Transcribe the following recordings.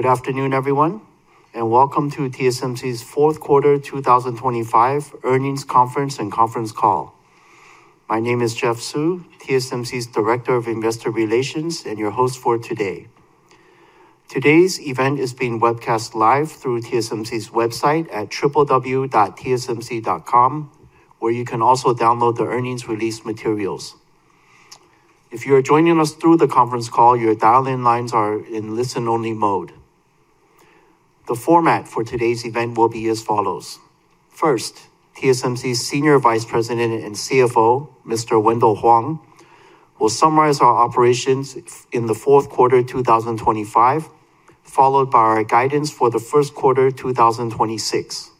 Good afternoon, everyone, and welcome to TSMC's Fourth Quarter 2025 Earnings Conference and Conference Call. My name is Jeff Su, TSMC's Director of Investor Relations and your host for today. Today's event is being webcast live through TSMC's website at www.tsmc.com, where you can also download the earnings release materials. If you are joining us through the conference call, your dial-in lines are in listen-only mode. The format for today's event will be as follows. First, TSMC's Senior Vice President and CFO, Mr. Wendell Huang, will summarize our operations in the fourth quarter 2025, followed by our guidance for the first quarter 2026.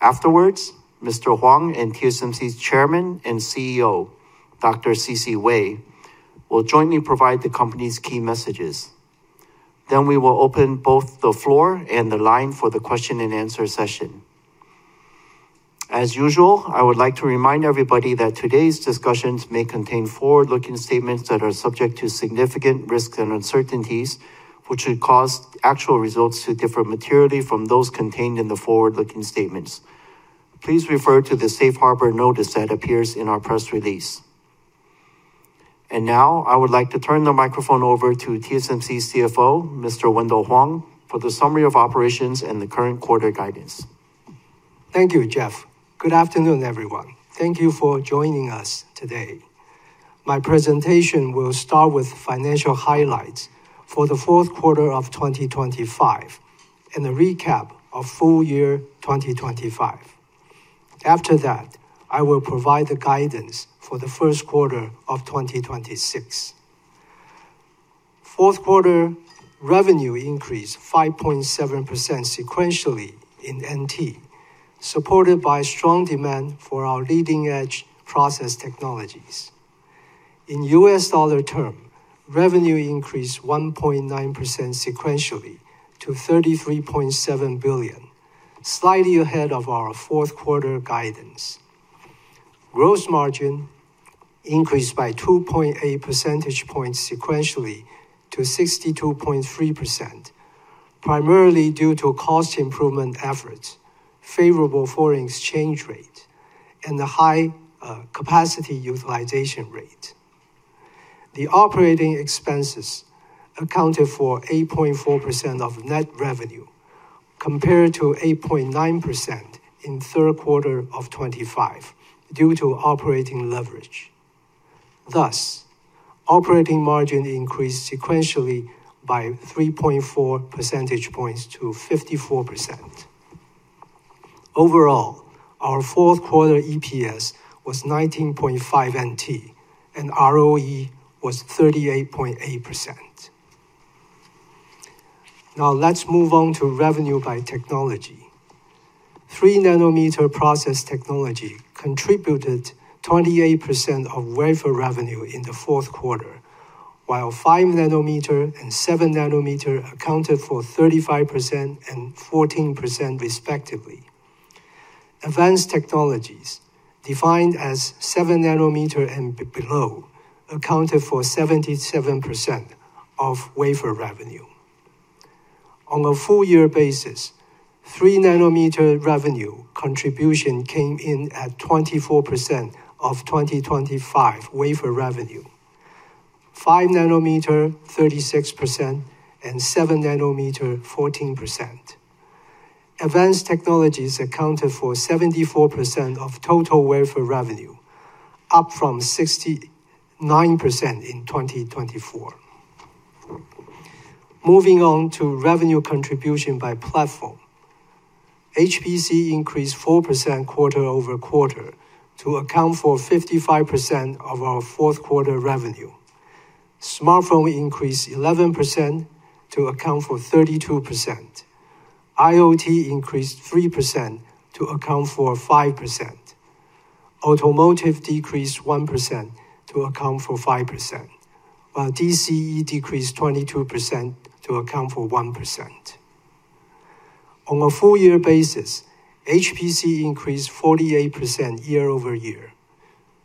Afterwards, Mr. Huang and TSMC's Chairman and CEO, Dr. C.C. Wei, will jointly provide the company's key messages. Then we will open both the floor and the line for the question-and-answer session as usual. I would like to remind everybody that today's discussions may contain forward looking statements that are subject to significant risks and uncertainties which would cause actual results to differ materially from those contained in the forward looking statements. Please refer to the safe harbor notice that appears in our press release. And now I would like to turn the microphone over to TSMC CFO Mr. Wendell Huang for the summary of operations and the current quarter guidance. Thank you, Jeff. Good afternoon, everyone. Thank you for joining us today. My presentation will start with financial highlights for the fourth quarter of 2025 and a recap of full year 2025 after that. I will provide the guidance for the first quarter of 2026. Fourth quarter revenue increased 5.7% sequentially in NT$ supported by strong demand for our leading-edge process technologies. In U.S. dollar terms, revenue increased 1.9% sequentially to $33.7 billion, slightly ahead of our fourth quarter guidance. Gross margin increased by 2.8 percentage points sequentially to 62.3%, primarily due to cost improvement efforts, favorable foreign exchange rate, and the high capacity utilization rate. The operating expenses accounted for 8.4% of net revenue compared to 8.9% in third quarter of 2025 due to operating leverage. Thus, operating margin increased sequentially by 3.4 percentage points to 54% overall. Our fourth quarter EPS was 19.5 NT and ROE was 38.8%. Now let's move on to revenue by technology. 3 nm process technology contributed 28% of wafer revenue in the fourth quarter while 5 nm and 7 nm accounted for 35% and 14% respectively. Advanced technologies defined as 7 nm and below accounted for 77% of wafer revenue on a full year basis. 3 nm revenue contribution came in at 24% of 2025 wafer revenue, 5 nm 36% and 7 nm 14%. Advanced technologies accounted for 74% of total wafer revenue up from 69% in 2024. Moving on to revenue contribution by platform, HPC increased 4% quarter over quarter to account for 55% of our fourth quarter revenue. Smartphone increased 11% to account for 32%, IoT increased 3% to account for 5%, Automotive decreased 1% to account for 5% while DCE decreased 22% to account for 1% on a full year basis. HPC increased 48% year over year.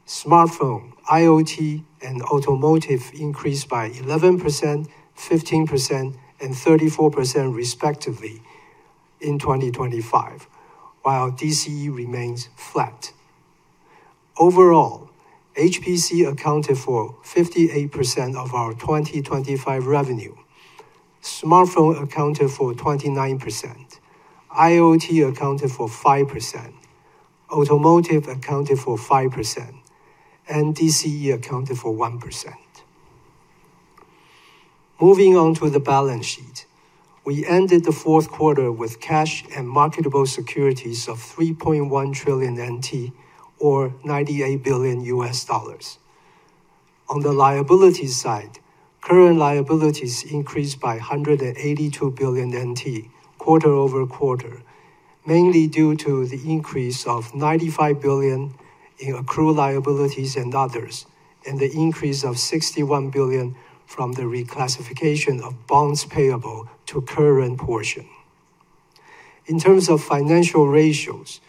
Smartphone, IoT, and Automotive increased by 11%, 15%, and 34% respectively in 2025 while DCE remains flat. Overall, HPC accounted for 58% of our 2025 revenue, Smartphone accounted for 29%, IoT accounted for 5%, Automotive accounted for 5%, and DCE accounted for 1%. Moving on to the balance sheet, we ended the fourth quarter with cash and marketable securities of 3.1 trillion NT or $98 billion. On the liabilities side, current liabilities increased by 182 billion NT quarter over quarter mainly due to the increase of 95 billion in accrued liabilities and others and the increase of 61 billion from the reclassification of bonds payable to current portion. In terms of financial ratios,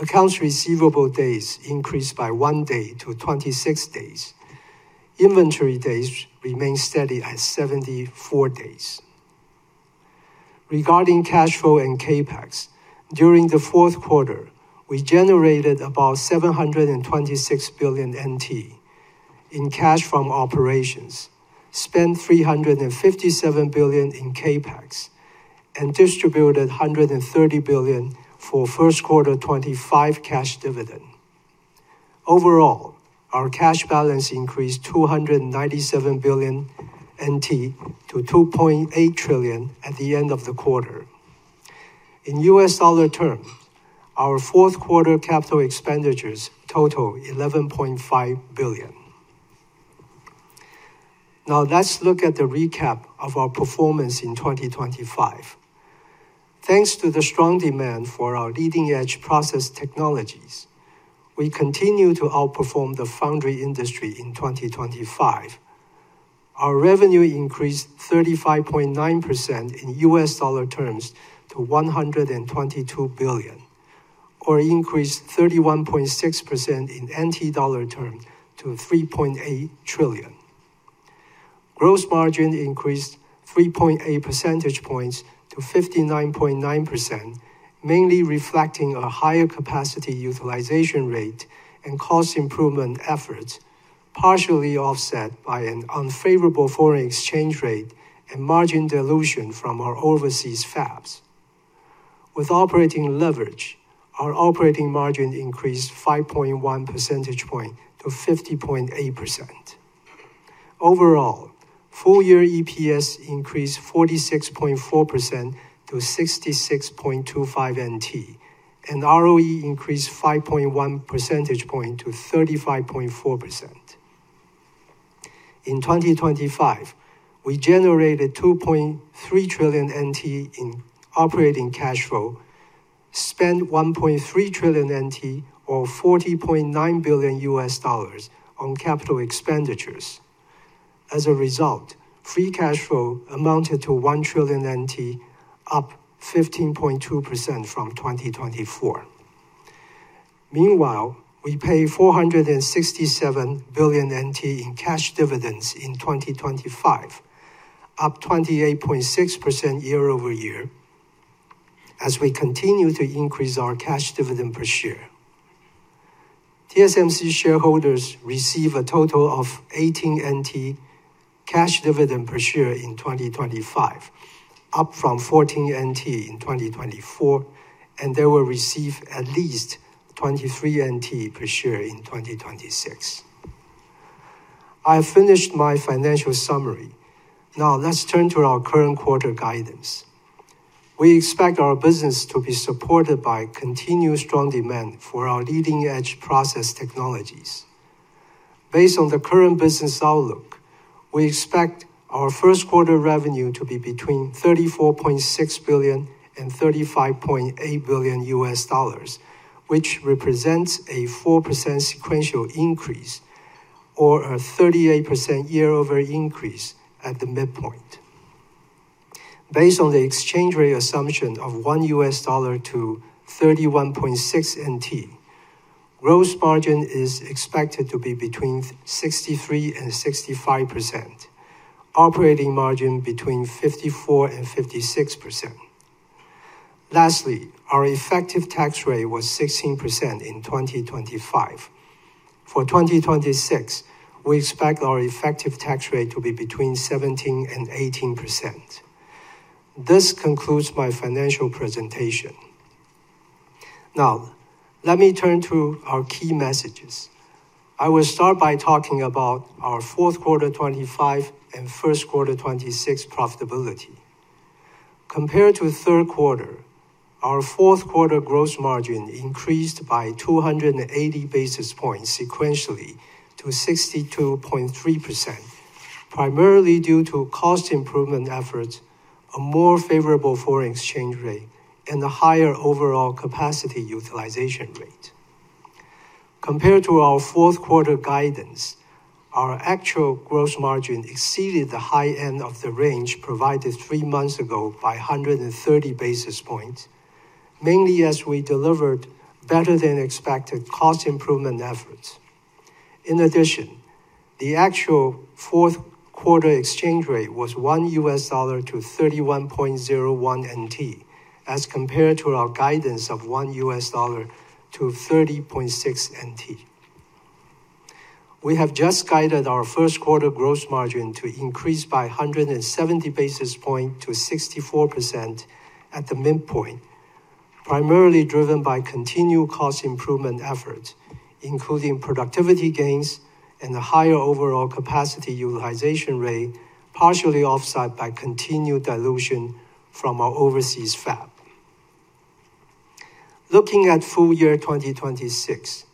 accounts receivable days increased by one day to 26 days. Inventory days remain steady at 74 days. Regarding cash flow and CapEx, during the fourth quarter we generated about 726 billion NT in cash from operations, spent 357 billion in CapEx and distributed 130 billion for first quarter 2025 cash dividend. Overall, our cash balance increased 297 billion NT to 2.8 trillion at the end of the quarter. In U.S. dollar terms, our fourth quarter capital expenditures total $11.5 billion. Now let's look at the recap of our performance in 2025. Thanks to the strong demand for our leading edge process technologies, we continue to outperform the foundry industry. In 2025 our revenue increased 35.9% in U.S. dollar terms to $122 billion or increased 31.6% in NT dollar terms to 3.8 trillion. Gross margin increased 3.8 percentage points to 59.9% mainly reflecting a higher capacity utilization rate and cost improvement efforts partially offset by an unfavorable foreign exchange rate and margin dilution from our overseas fabs. With operating leverage, our operating margin increased 5.1 percentage point to 50.8%. Overall full year EPS increased 46.4% to 66.25 NT and ROE increased 5.1 percentage point to 35.4%. In 2025 we generated 2.3 trillion NT in operating cash flow, spent 1.3 trillion NT or $40.9 billion on capital expenditures. As a result, free cash flow amounted to 1 trillion NT, up 15.2% from 2024. Meanwhile, we paid 467 billion NT in cash dividends in 2025, up 28.6% year over year as we continue to increase our cash dividend per share. TSMC shareholders receive a total of 18 NT cash dividend per share in 2025 up from 14 NT in 2024 and they will receive at least 23 NT per share in 2026. I have finished my financial summary. Now let's turn to our current quarter guidance. We expect our business to be supported by continued strong demand for our leading edge process technologies. Based on the current business outlook, we expect our first quarter revenue to be between $34.6 billion and $35.8 billion which represents a 4% sequential increase or a 38% year-over-year increase. At the midpoint. Based on the exchange rate assumption of $1 to 31.6 NT, gross margin is expected to be between 63% and 65%. Operating margin between 54% and 56%. Lastly, our effective tax rate was 16% in 2025. For 2026 we expect our effective tax rate to be between 17% and 18%. This concludes my financial presentation. Now let me turn to our key messages. I will start by talking about our fourth quarter 2025 and first quarter 2026 profitability. Compared to third quarter, our fourth quarter gross margin increased by 280 basis points sequentially to 62.3% primarily due to cost improvement efforts, a more favorable foreign exchange rate and a higher overall capacity utilization rate. Compared to our fourth quarter guidance, our actual gross margin exceeded the high end of the range provided three months ago by 130 basis points mainly as we delivered better than expected cost improvement efforts. In addition, the actual fourth quarter exchange rate was $1 to 31.01 NT as compared to our guidance of $1 to 30.6 NT. We have just guided our first quarter gross margin to increase by 170 basis points to 64% at the midpoint primarily driven by continued cost improvement effort including productivity gains and a higher overall capacity utilization rate partially offset by continued dilution from our overseas fabs. Looking at full year 2026,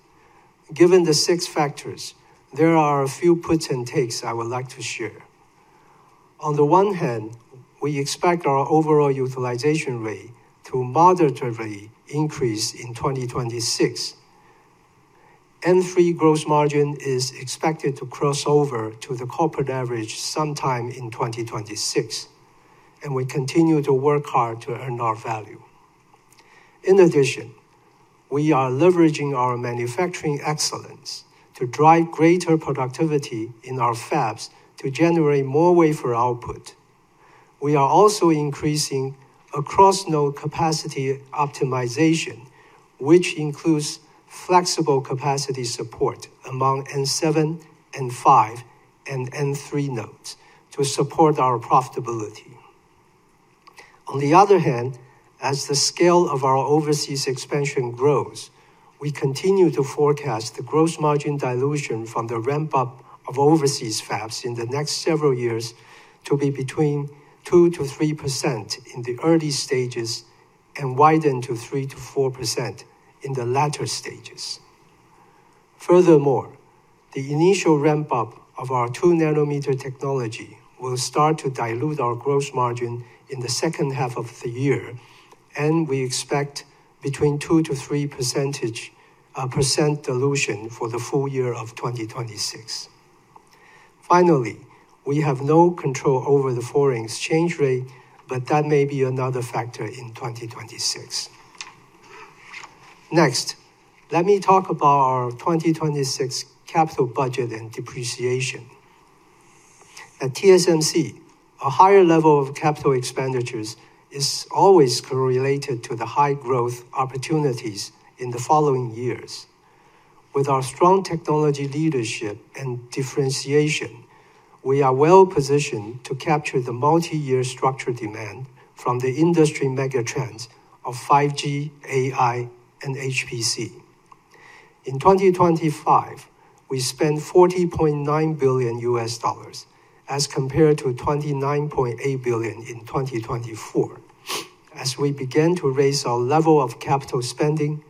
given the six factors, there are a few puts and takes I would like to share. On the one hand, we expect our overall utilization rate to moderately increase in 2026. N3 gross margin is expected to cross over to the corporate average sometime in 2026 and we continue to work hard to earn our value. In addition, we are leveraging our manufacturing excellence to drive greater productivity in our fabs to generate more wafer output. We are also increasing across node capacity optimization which includes flexible capacity support among N7, N5 and N3 nodes to support our profitability. On the other hand, as the scale of our overseas expansion grows, we continue to forecast the gross margin dilution from the ramp up of overseas fabs in the next several years to be between 2%-3% in the early stages and widen to 3%-4% in the latter stages. Furthermore, the initial ramp up of our 2 nanometer technology will start to dilute our gross margin in the second half of the year and we expect between 2%-3% dilution for the full year of 2026. Finally, we have no control over the foreign exchange rate, but that may be another factor in 2026. Next, let me talk about our 2026 capital budget and depreciation at TSMC. A higher level of capital expenditures is always correlated to the high growth opportunities in the following years. With our strong technology, leadership and differentiation, we are well positioned to capture the multi year structure demand from the industry megatrends of 5G, AI and HPC. In 2025 we spent $40.9 billion as compared to $29.8 billion in 2024 as we began to raise our level of capital spending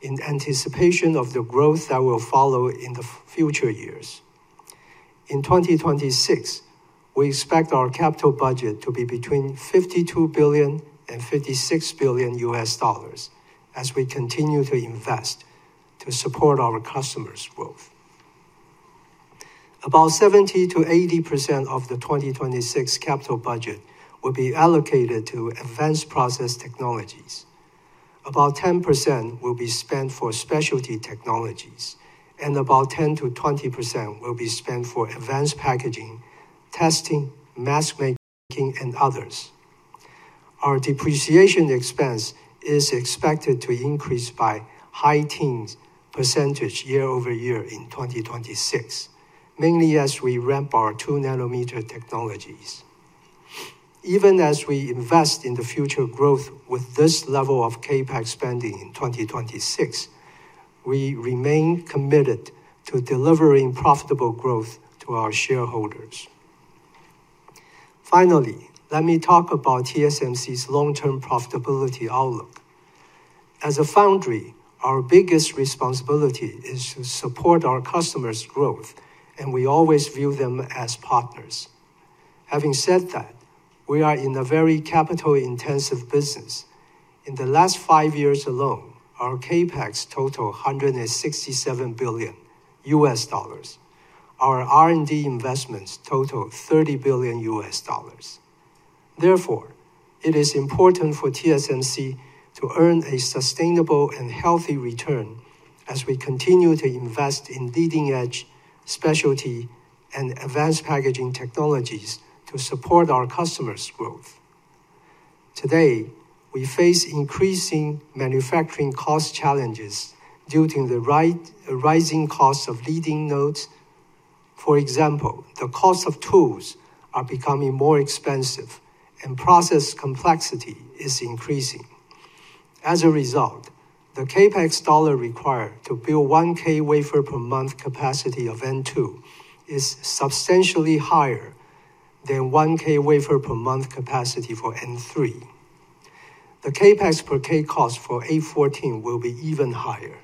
in anticipation of the growth that will follow in the future years. In 2026 we expect our capital budget to be between $52 billion-$56 billion as we continue to invest to support our customers growth. About 70%-80% of the 2026 capital budget will be allocated to advanced process technologies, about 10% will be spent for specialty technologies and about 10%-20% will be spent for advanced packaging, testing, mask making and others. Our depreciation expense is expected to increase by high-teens percentage year over year in 2026 mainly as we ramp our 2 nanometer technologies. Even as we invest in the future growth with this level of CapEx spending in 2026, we remain committed to delivering profitable growth to our shareholders. Finally, let me talk about TSMC's long-term profitability outlook. As a foundry, our biggest responsibility is to support our customers' growth and we always view them as partners. Having said that, we are in a very capital-intensive business. In the last five years alone our CapEx totaled $167 billion. Our R&D investments totaled $30 billion. Therefore, it is important for TSMC to earn a sustainable and healthy return as we continue to invest in leading-edge specialty and advanced packaging technologies to support our customers' growth. Today we face increasing manufacturing cost challenges due to the rising cost of leading nodes. For example, the cost of tools are becoming more expensive and process complexity is increasing. As a result, the CapEx dollar required to build 1K wafers per month capacity of N2 is substantially higher than 1,000 wafers per month capacity. For N3, the CapEx per 1,000 cost for A14 will be even higher.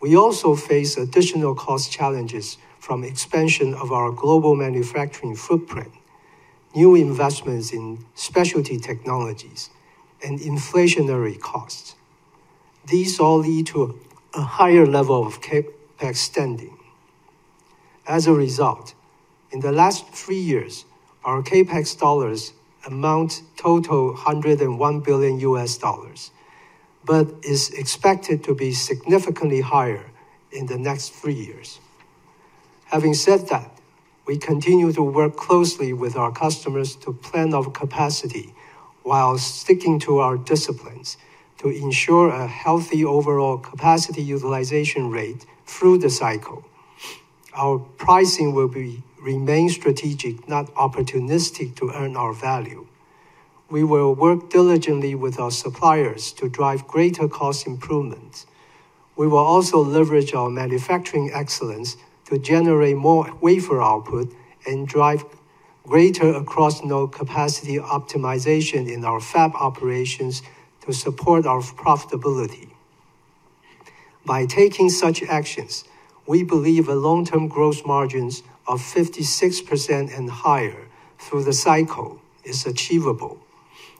We also face additional cost challenges from expansion of our global manufacturing footprint, new investments in specialty technologies and inflationary costs. These all lead to a higher level of CapEx spending. As a result, in the last three years our CapEx dollars amounted to $101 billion but is expected to be significantly higher in the next three years. Having said that, we continue to work closely with our customers to plan our capacity while sticking to our disciplines to ensure a healthy overall capacity utilization rate through the cycle. Our pricing will remain strategic, not opportunistic. To earn our value, we will work diligently with our suppliers to drive greater cost improvements. We will also leverage our manufacturing excellence to generate more wafer output and drive greater across node capacity optimization in our FAB operations to support our profitability. By taking such actions, we believe a long term gross margins of 56% and higher through the cycle is achievable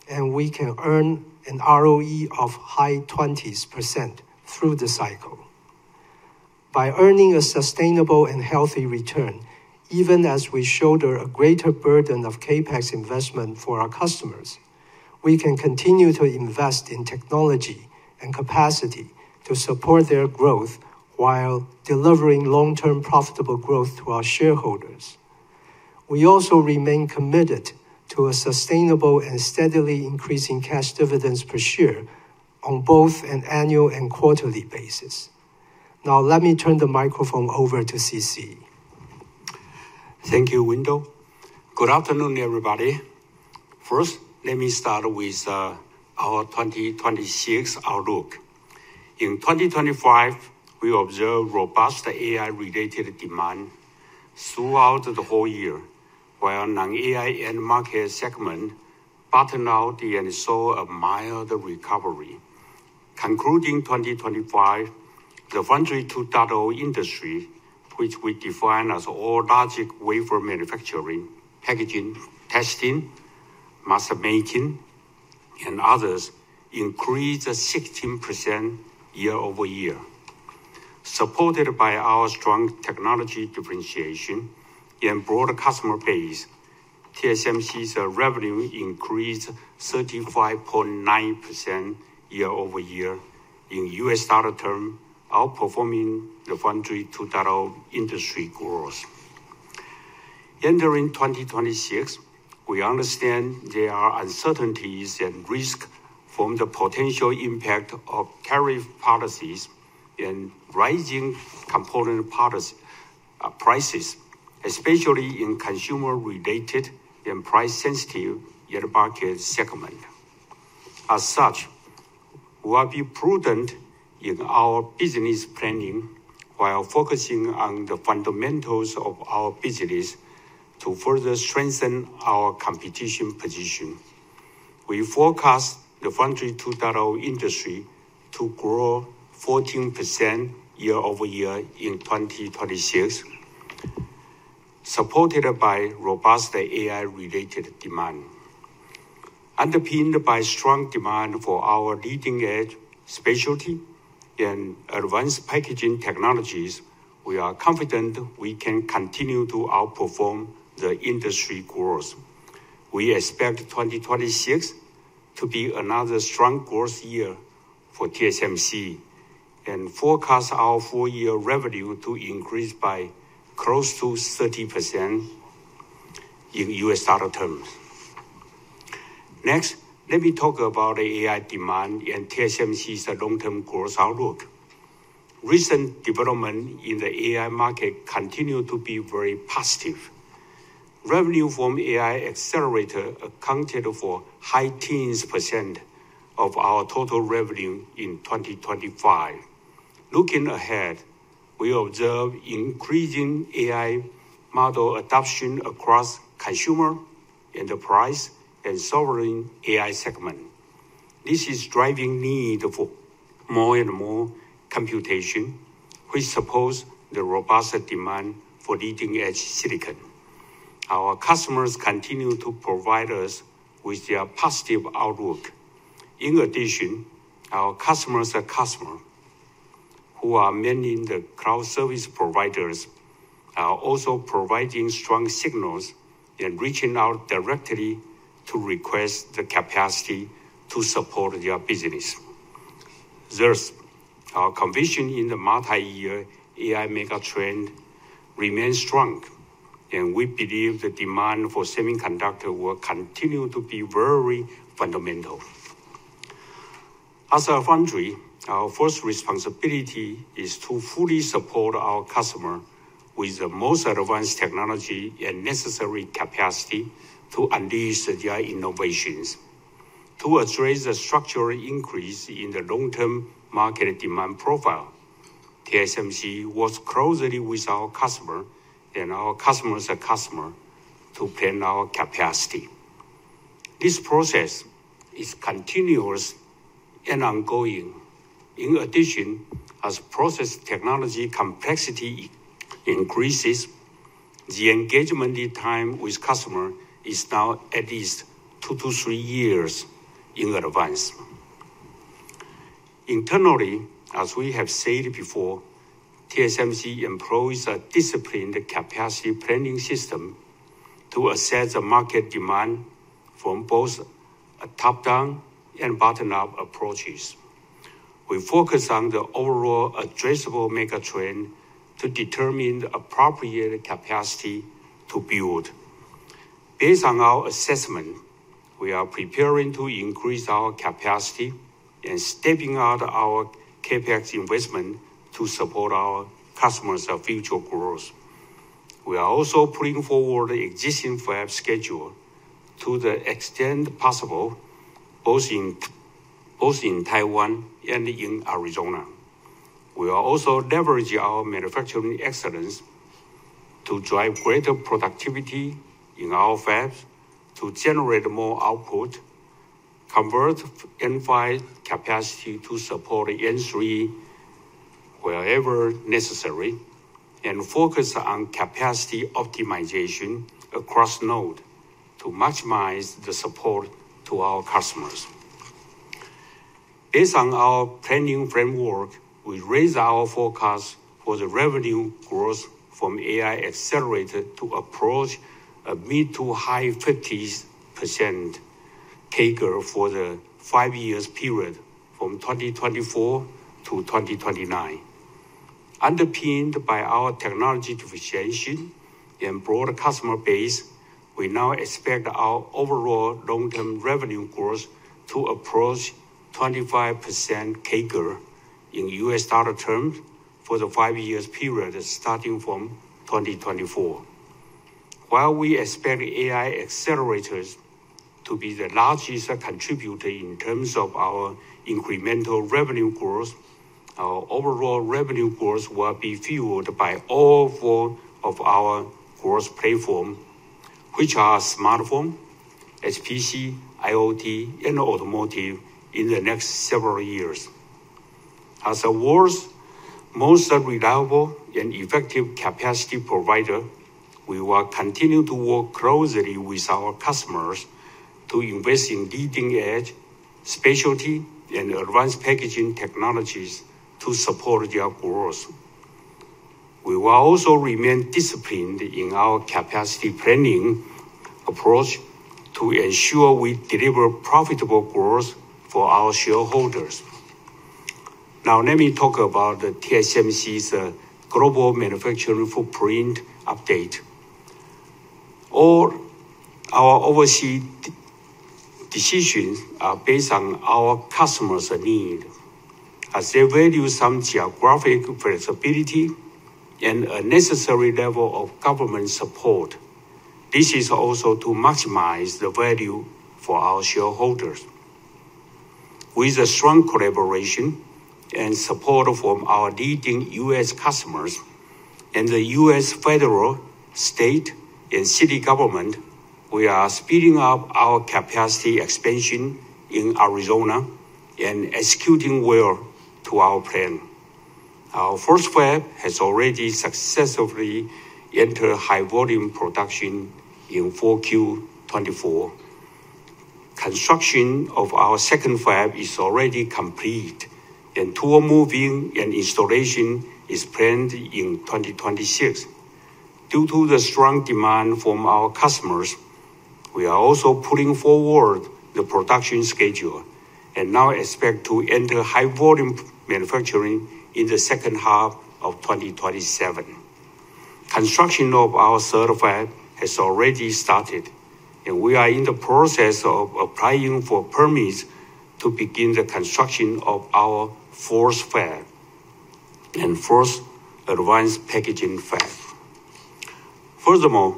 and we can earn an ROE of high 20%s through the cycle by earning a sustainable and healthy return. Even as we shoulder a greater burden of CapEx investment for our customers, we can continue to invest in technology and capacity to support their growth while delivering long-term profitable growth to our shareholders. We also remain committed to a sustainable and steadily increasing cash dividends per share on both an annual and quarterly basis. Now let me turn the microphone over to C.C. Wei. Thank you, Wendell. Good afternoon everybody. First let me start with our 2026 outlook. In 2025 we observed robust AI related demand throughout the whole year while non AI end market segment bottomed out and saw a mild recovery. Concluding 2025, the Foundry 2.0 industry which we define as all logic, wafer manufacturing, packaging, testing, mask making and others increased 16% year over year supported by our strong technology differentiation and broader customer base. TSMC's revenue increased 35.9% year over year in U.S. dollar terms outperforming the Foundry 2.0 industry growth entering 2026. We understand there are uncertainties and risk from the potential impact of tariff policies and rising component prices, especially in consumer related and price sensitive other bucket segment. As such, we will be prudent in our business planning while focusing on the fundamentals of our business to further strengthen our competitive position. We forecast the Foundry 2.0 industry to grow 14% year-over-year in 2026 supported by robust AI-related demand underpinned by strong demand for our leading-edge specialty and advanced packaging technologies. We are confident we can continue to outperform the industry growth. We expect 2026 to be another strong growth year for TSMC and forecast our full-year revenue to increase by close to 30% in U.S. dollar terms. Next, let me talk about AI demand and TSMC's long-term growth outlook. Recent development in the AI market continue to be very positive. Revenue from AI accelerator accounted for high-teens percentage of our total revenue in 2025. Looking ahead, we observe increasing AI model adoption across consumer enterprise and sovereign AI segment. This is driving need for more and more computation which supports the robust demand for leading-edge silicon. Our customers continue to provide us with their positive outlook. In addition, our customers, and many of the cloud service providers, are also providing strong signals and reaching out directly to request the capacity to support their business. Thus, our conviction in the multi-year AI megatrend remains strong, and we believe the demand for semiconductors will continue to be very fundamental. As a foundry, our first responsibility is to fully support our customers with the most advanced technology and necessary capacity to unleash the AI innovations to address the structural increase in the long-term market demand profile. TSMC works closely with our customers to plan our capacity. This process is continuous and ongoing. In addition, as process technology complexity increases, the engagement time with customers is now at least two to three years in advance. Internally, as we have said before, TSMC employs a disciplined capacity planning system to assess the market demand from both a top down and bottom up approaches. We focus on the overall addressable megatrend to determine the appropriate capacity to build. Based on our assessment, we are preparing to increase our capacity and stepping up our CapEx investment to support our customers' future growth. We are also putting forward existing fab schedule to the extent possible both in Taiwan and in Arizona. We are also leveraging our manufacturing excellence to drive greater productivity in our fabs to generate more output, convert N5 capacity to support N3 wherever necessary and focus on capacity optimization across nodes to maximize the support to our customers. Based on our planning framework, we raise our forecast for the revenue growth from AI accelerator to approach a mid to high 50%s CAGR for the five years period from 2024 to 2029. Underpinned by our technology differentiation and broader customer base, we now expect our overall long-term revenue growth to approach 25% CAGR in U.S. dollar terms for the five year period starting from 2024. While we expect AI Accelerators to be the largest contributor in terms of our incremental revenue growth, our overall revenue growth will be fueled by all four of our growth platforms which are smartphone, HPC, IoT and automotive in the next several years. As the world's most reliable and effective capacity provider, we will continue to work closely with our customers to invest in leading-edge specialty and advanced packaging technologies to support their growth. We will also remain disciplined in our capacity planning approach to ensure we deliver profitable growth for our shareholders. Now let me talk about TSMC's global manufacturing footprint update. All our overseas decisions are based on our customers' needs as they value some geographic flexibility and a necessary level of government support. This is also to maximize the value for our shareholders. With a strong collaboration and support from our leading U.S. customers and the U.S. federal, state and city government, we are speeding up our capacity expansion in Arizona and executing well to our plan. Our first fab has already successfully entered high volume production in 4Q 2024. Construction of our second fab is already complete and tool moving and installation is planned in 2026. Due to the strong demand from our customers, we are also pulling forward the production schedule and now expect to enter high volume manufacturing in the second half of 2027. Construction of our third fab has already started and we are in the process of applying for permits to begin the construction of our fourth fab and fourth advanced packaging fab. Furthermore,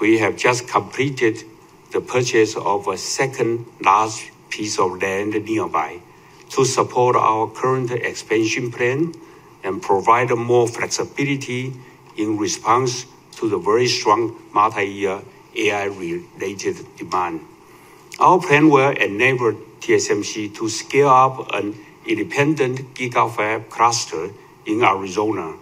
we have just completed the purchase of a second large piece of land nearby to support our current expansion plan and provide more flexibility in response to the very strong multi-year AI-related demand. Our plan will enable TSMC to scale up an independent GIGAFAB cluster in Arizona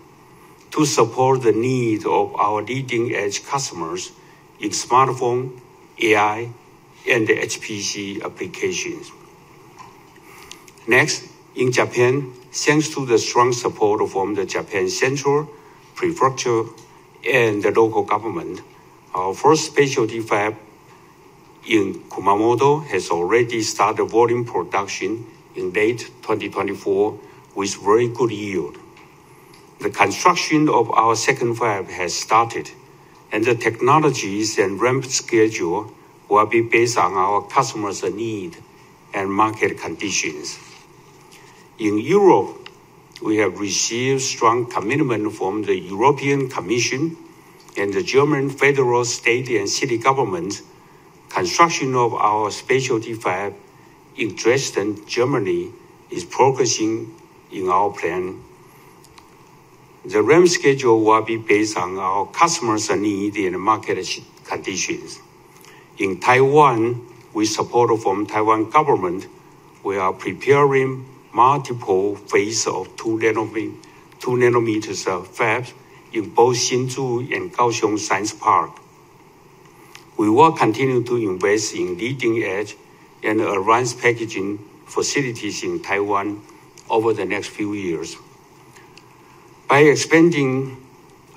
to support the needs of our leading edge customers in smartphone, AI and HPC applications. Next in Japan, thanks to the strong support from the Japanese central government and the local government, our first specialty fab in Kumamoto has already started volume production in late 2024 with very good yield. The construction of our second fab has started and the technologies and ramp schedule will be based on our customers need and market conditions in Europe. We have received strong commitment from the European Commission and the German federal, state and city government. Construction of our specialty fab in Dresden, Germany is progressing in our plan. The ramp schedule will be based on our customers need and market conditions in Taiwan. With support from Taiwan government, we are preparing multiple phases of 2 nm fabs in both Hsinchu and Kaohsiung Science Park. We will continue to invest in leading edge and advanced packaging facilities in Taiwan over the next few years. By expanding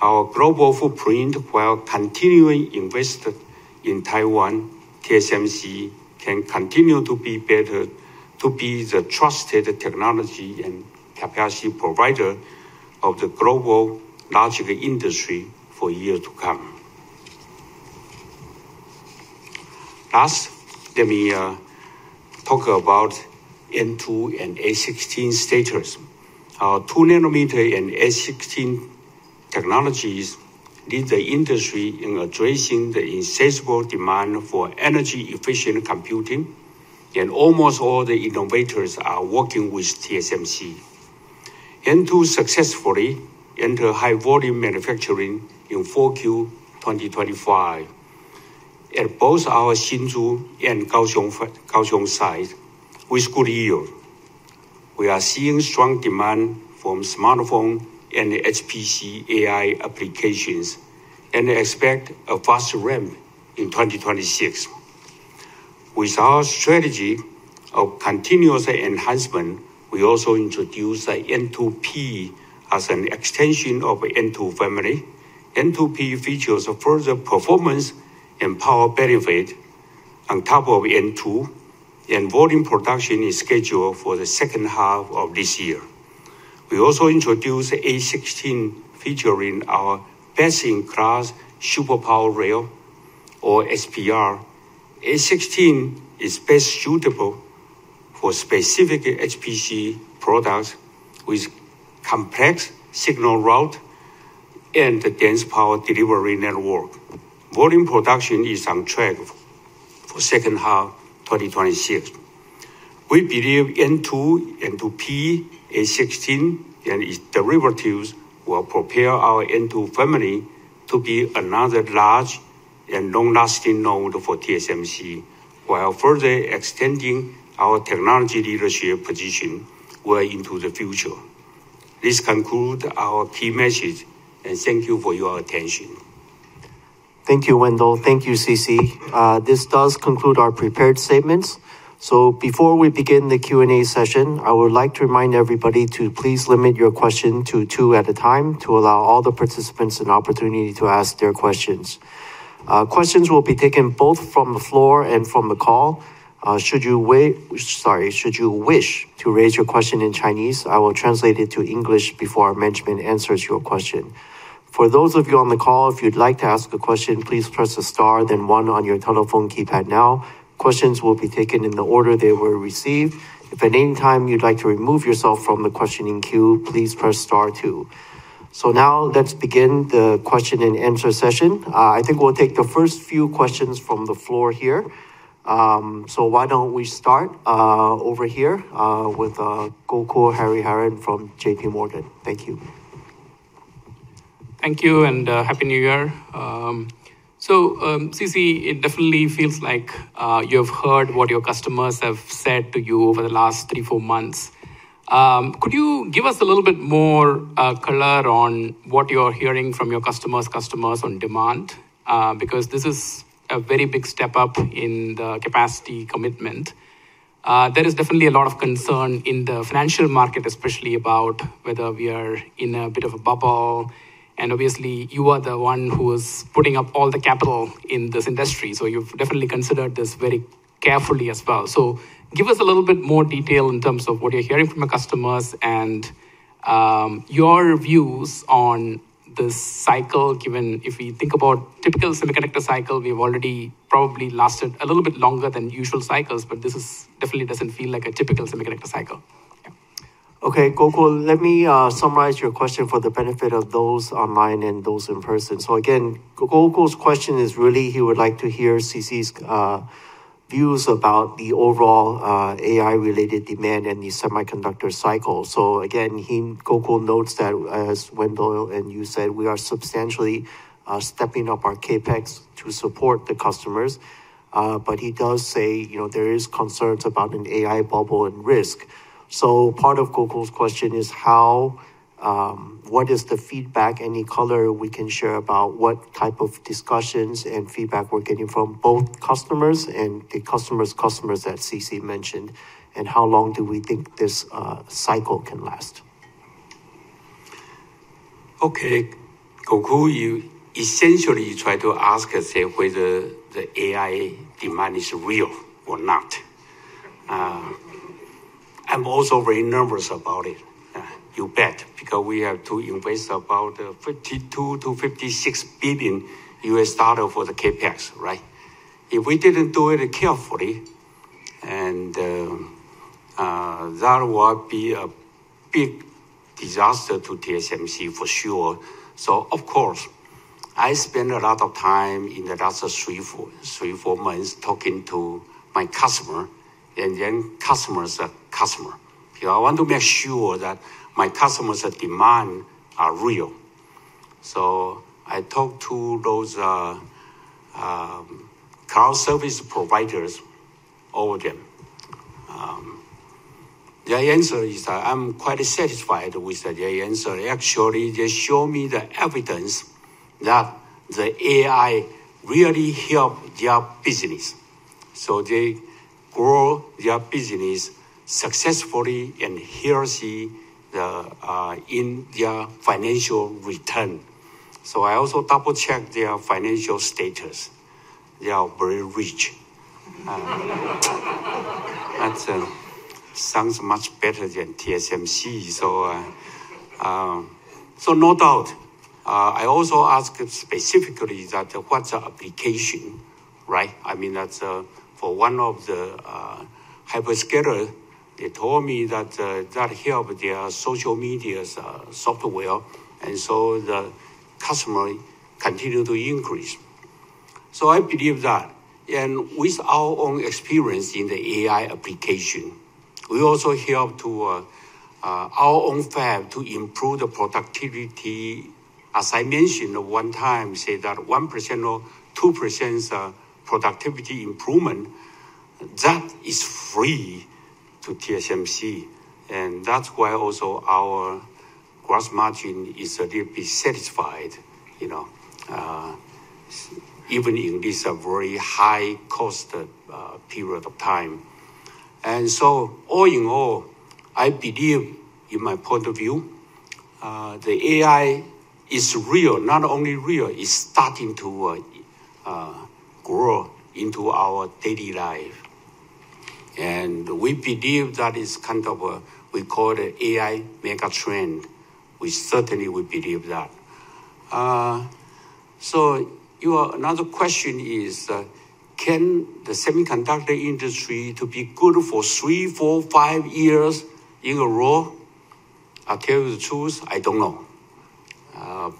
our global footprint while continuing to invest in Taiwan, TSMC can continue to be better to be the trusted technology and capacity provider of the global large industry for years to come. Last, let me talk about N2 and A16 status. Our 2 nanometer and A16 technologies lead the industry in addressing the insatiable demand for energy efficient computing. Yet almost all the innovators are working with TSMC. N2 successfully enter high volume manufacturing in 4Q 2025 at both our Hsinchu and Kaohsiung site with good yield. We are seeing strong demand from smartphone and HPC AI applications and expect a fast ramp in 2026. With our strategy of continuous enhancement, we also introduced N2P as an extension of N2 family. N2P features further performance and power benefit on top of N2, and volume production is scheduled for the second half of this year. We also introduced A16 featuring our best in class Super Power Rail or SPR. A16 is best suitable for specific HPC products with complex signal route and the dense power delivery network. Volume production is on track for second half 2026. We believe N2, N2P, A16 and its derivatives will prepare our N2 family to be another large and long lasting node for TSMC while further extending our technology leadership position well into the future. This concludes our key message, and thank you for your attention. Thank you, Wendell. Thank you, C.C. This does conclude our prepared statements, so before we begin the Q&A session, I would like to remind everybody to please limit your question to two at a time to allow all the participants an opportunity to ask their questions. Questions will be taken both from the floor and from the call. Should you wish to raise your question in Chinese, I will translate it to English before our management answers your question. For those of you on the call, if you'd like to ask a question, please press the star then one on your telephone keypad. Now questions will be taken in the order they were received. If at any time you'd like to remove yourself from the questioning queue, please press star two. So now let's begin the question and answer session. I think we'll take the first few questions from the floor here. So why don't we start over here with Gokul Hariharan from J.P. Morgan. Thank you. Thank you and Happy New Year. So, C.C., it definitely feels like you've heard what your customers have said to you over the last three, four months. Could you give us a little bit more color on what you're hearing from your customers, customers on demand? Because this is a very big step up in the capacity commitment. There is definitely a lot of concern in the financial market, especially about whether we are in a bit of a bubble. And obviously you are the one who is putting up all the capital in this industry, so you've definitely considered this very carefully as well. So give us a little bit more detail in terms of what you're hearing from the customers and your views on this cycle. Given if we think about typical semiconductor cycle, we've already probably lasted a little bit longer than usual cycles, but this definitely doesn't feel like a typical semiconductor cycle. Okay, Gokul, let me summarize your question for the benefit of those online and those in person. So again, Gokul's question is really he would like to hear CC's views about the overall AI related demand and the semiconductor cycle. So again he Gokul notes that as Wendell and Wei said, we are substantially stepping up our CapEx to support the customers. But he does say, you know, there is concerns about an AI bubble and risk. So part of Gokul's question is how, what is the feedback? Any color we can share about what type of discussions and feedback we're getting from both customers and the customers customers that CC mentioned and how long do we think this cycle can last? Okay, Gokul, you essentially try to ask whether the AI demand is real or not. I'm also very nervous about it. You bet. Because we have to invest about $52 billion-$56 billion for the CapEx, right? If we didn't do it carefully and that would be a big disaster to TSMC for sure. So of course I spend a lot of time in the last three or four months talking to my customer and then customers. Customer. I want to make sure that my customers demand are real. I talk to those cloud service providers, all of them. Their answer is. I'm quite satisfied with their answer. Actually they show me the evidence that the AI really help their business. So they grow their business successfully and he or she in their financial return. So I also double check their financial status. They are very rich. That sounds much better than TSMC. No doubt. I also asked specifically that what's the application? Right? I mean that's for one of the hyperscaler. They told me that that helped their social media software and so the customer continue to increase. I believe that and with our own experience in the AI application, we also help to our own fab to improve the productivity. As I mentioned one time say that 1% or 2% productivity improvement that is free to TSMC. That's why also our gross margin is a little bit satisfied, you know, even in this very high cost period of time. All in all, I believe in my point of view the AI is real. Not only real, is starting to grow into our daily life. We believe that is kind of. We call it AI Megatrend. We certainly would believe that. So another question is, can the semiconductor industry to be good for three, four, five years in a row? I'll tell you the truth, I don't know.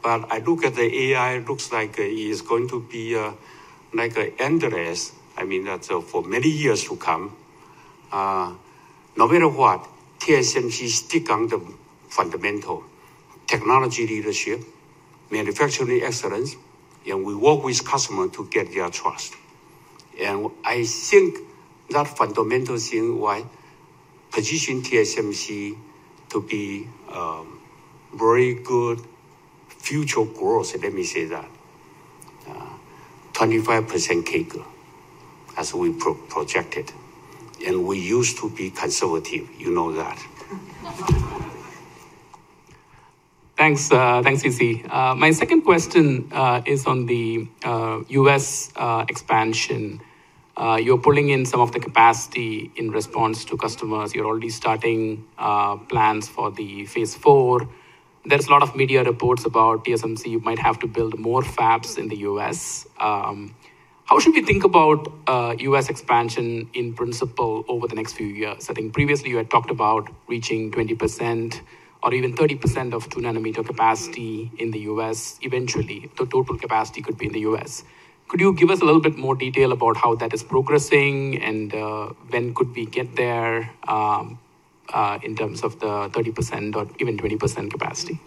But I look at the AI looks like it is going to be like endless. I mean that's for many years to come. No matter what. TSMC stick on the fundamental technology, leadership, manufacturing excellence. And we work with customers to get their trust. And I think that fundamental thing why position TSMC to be very good future growth? Let me say that 25% CAGR as we projected. And we used to be conservative, you know that. Thanks. Thanks, C.C. My second question is on the U.S. expansion. You're pulling in some of the capacity in response to customers. You're already starting plans for the phase four. There's a lot of media reports about TSMC. You might have to build more fabs in the U.S. How should we think about U.S. expansion in principle over the next few years? I think previously you had talked about reaching 20% or even 30% of 2 nanometer capacity in the U.S. eventually the total capacity could be in the U.S. Could you give us a little bit more detail about how that is progressing and when could we get there in terms of the 30% or even 20% capacity?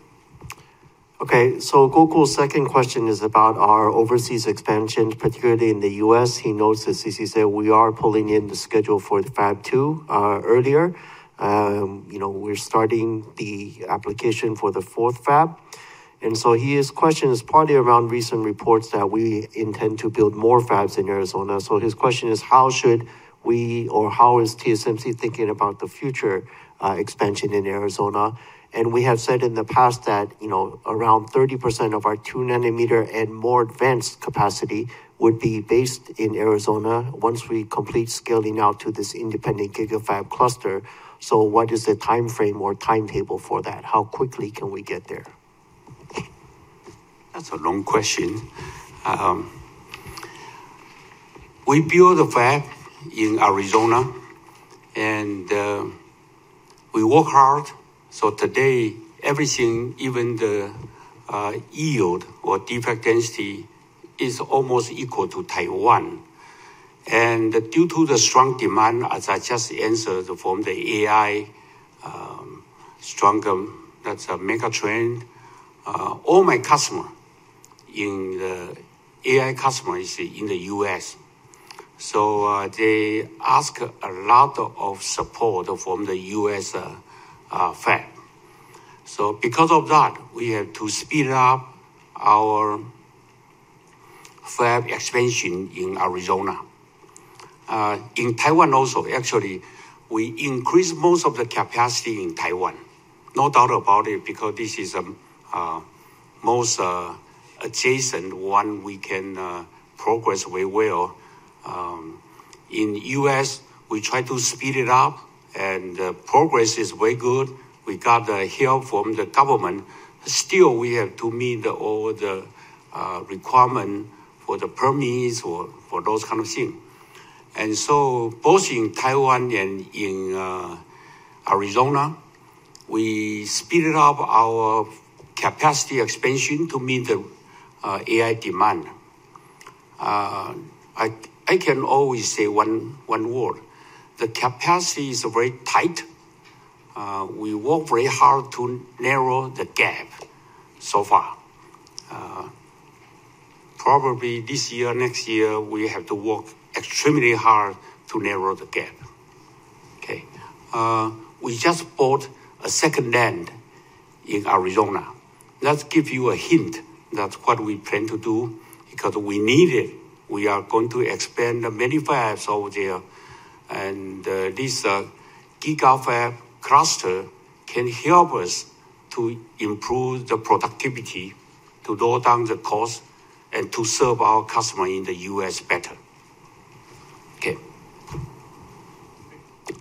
Okay, so Gokul's second question is about our overseas expansion, particularly in the U.S. He notes that C.C. said we are pulling in the schedule for the Fab 2 earlier. You know, we're starting the application for the fourth Fab. And so his question is partly around recent reports that we intend to build more fabs in Arizona. So his question is how should we or how is TSMC thinking about the future expansion in Arizona? And we have said in the past that, you know, around 30% of our nanometer and more advanced capacity would be based in Arizona once we complete scaling out to this independent GIGAFAB cluster. So what is the time frame or timetable for that? How quickly can we get there? That's a long question. We build a fab in Arizona and we work hard. So today everything, even the yield or defect density is almost equal to Taiwan. And due to the strong demand, as I just answered from the AI stronger, that's a megatrend. All my AI customers are in the U.S. So they ask a lot of support from the U.S. So because of that we have to speed up our fab expansion in Arizona in Taiwan also. Actually we increase most of the capacity in Taiwan. No doubt about it, because this is most advanced one. We can progress very well in the U.S. We try to speed it up and progress is very good. We got the help from the government. Still we have to meet all the requirements for the permits or for those kind of things. Both in Taiwan and in Arizona we speeded up our capacity expansion to meet the AI demand. I can always say one word, the capacity is very tight. We work very hard to narrow the gap so far probably this year, next year we have to work extremely hard to narrow the gap. We just bought a second land in Arizona. Let's give you a hint. That's what we plan to do because we need it. We are going to expand many fabs over there and this GIGAFAB cluster can help us to improve the productivity, to drive down the cost and to serve our customer in the U.S. better. Okay.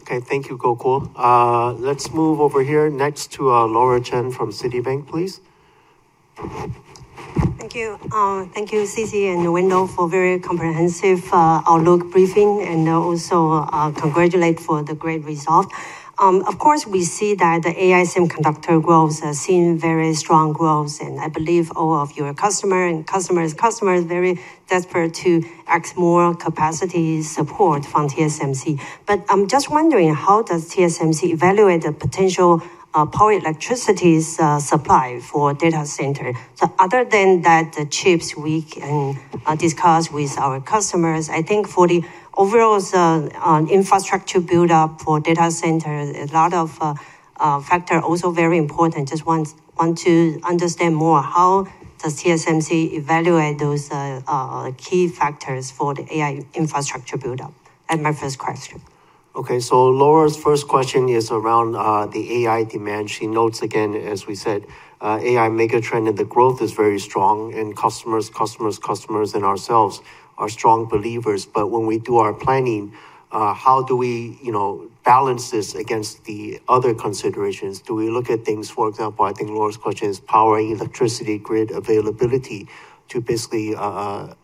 Okay, thank you Gokul. Let's move over here next to Laura Chen from Citibank please. Thank you. Thank you CC and Wendell for very comprehensive outlook briefing and also congratulate for the great result. Of course we see that the AI semiconductor growth has seen very strong growth and I believe all of your customer and customers customers very desperate to ask more capacity support from TSMC. But I'm just wondering how does TSMC evaluate the potential power electricity supply for data center? So other than that the chips we can discuss with our customers. I think for the overall infrastructure buildup for data center a lot of factor also very important. Just want to understand more how does TSMC evaluate those key factors for the AI infrastructure buildup? And my first question. Okay, so Laura's. First question is around the AI demand. She notes again, as we said, AI megatrend and the growth is very strong and customers and ourselves are strong believers. But when we do our planning, how do we balance this against the other considerations? Do we look at things. For example, I think Laura's question is power electricity grid availability to basically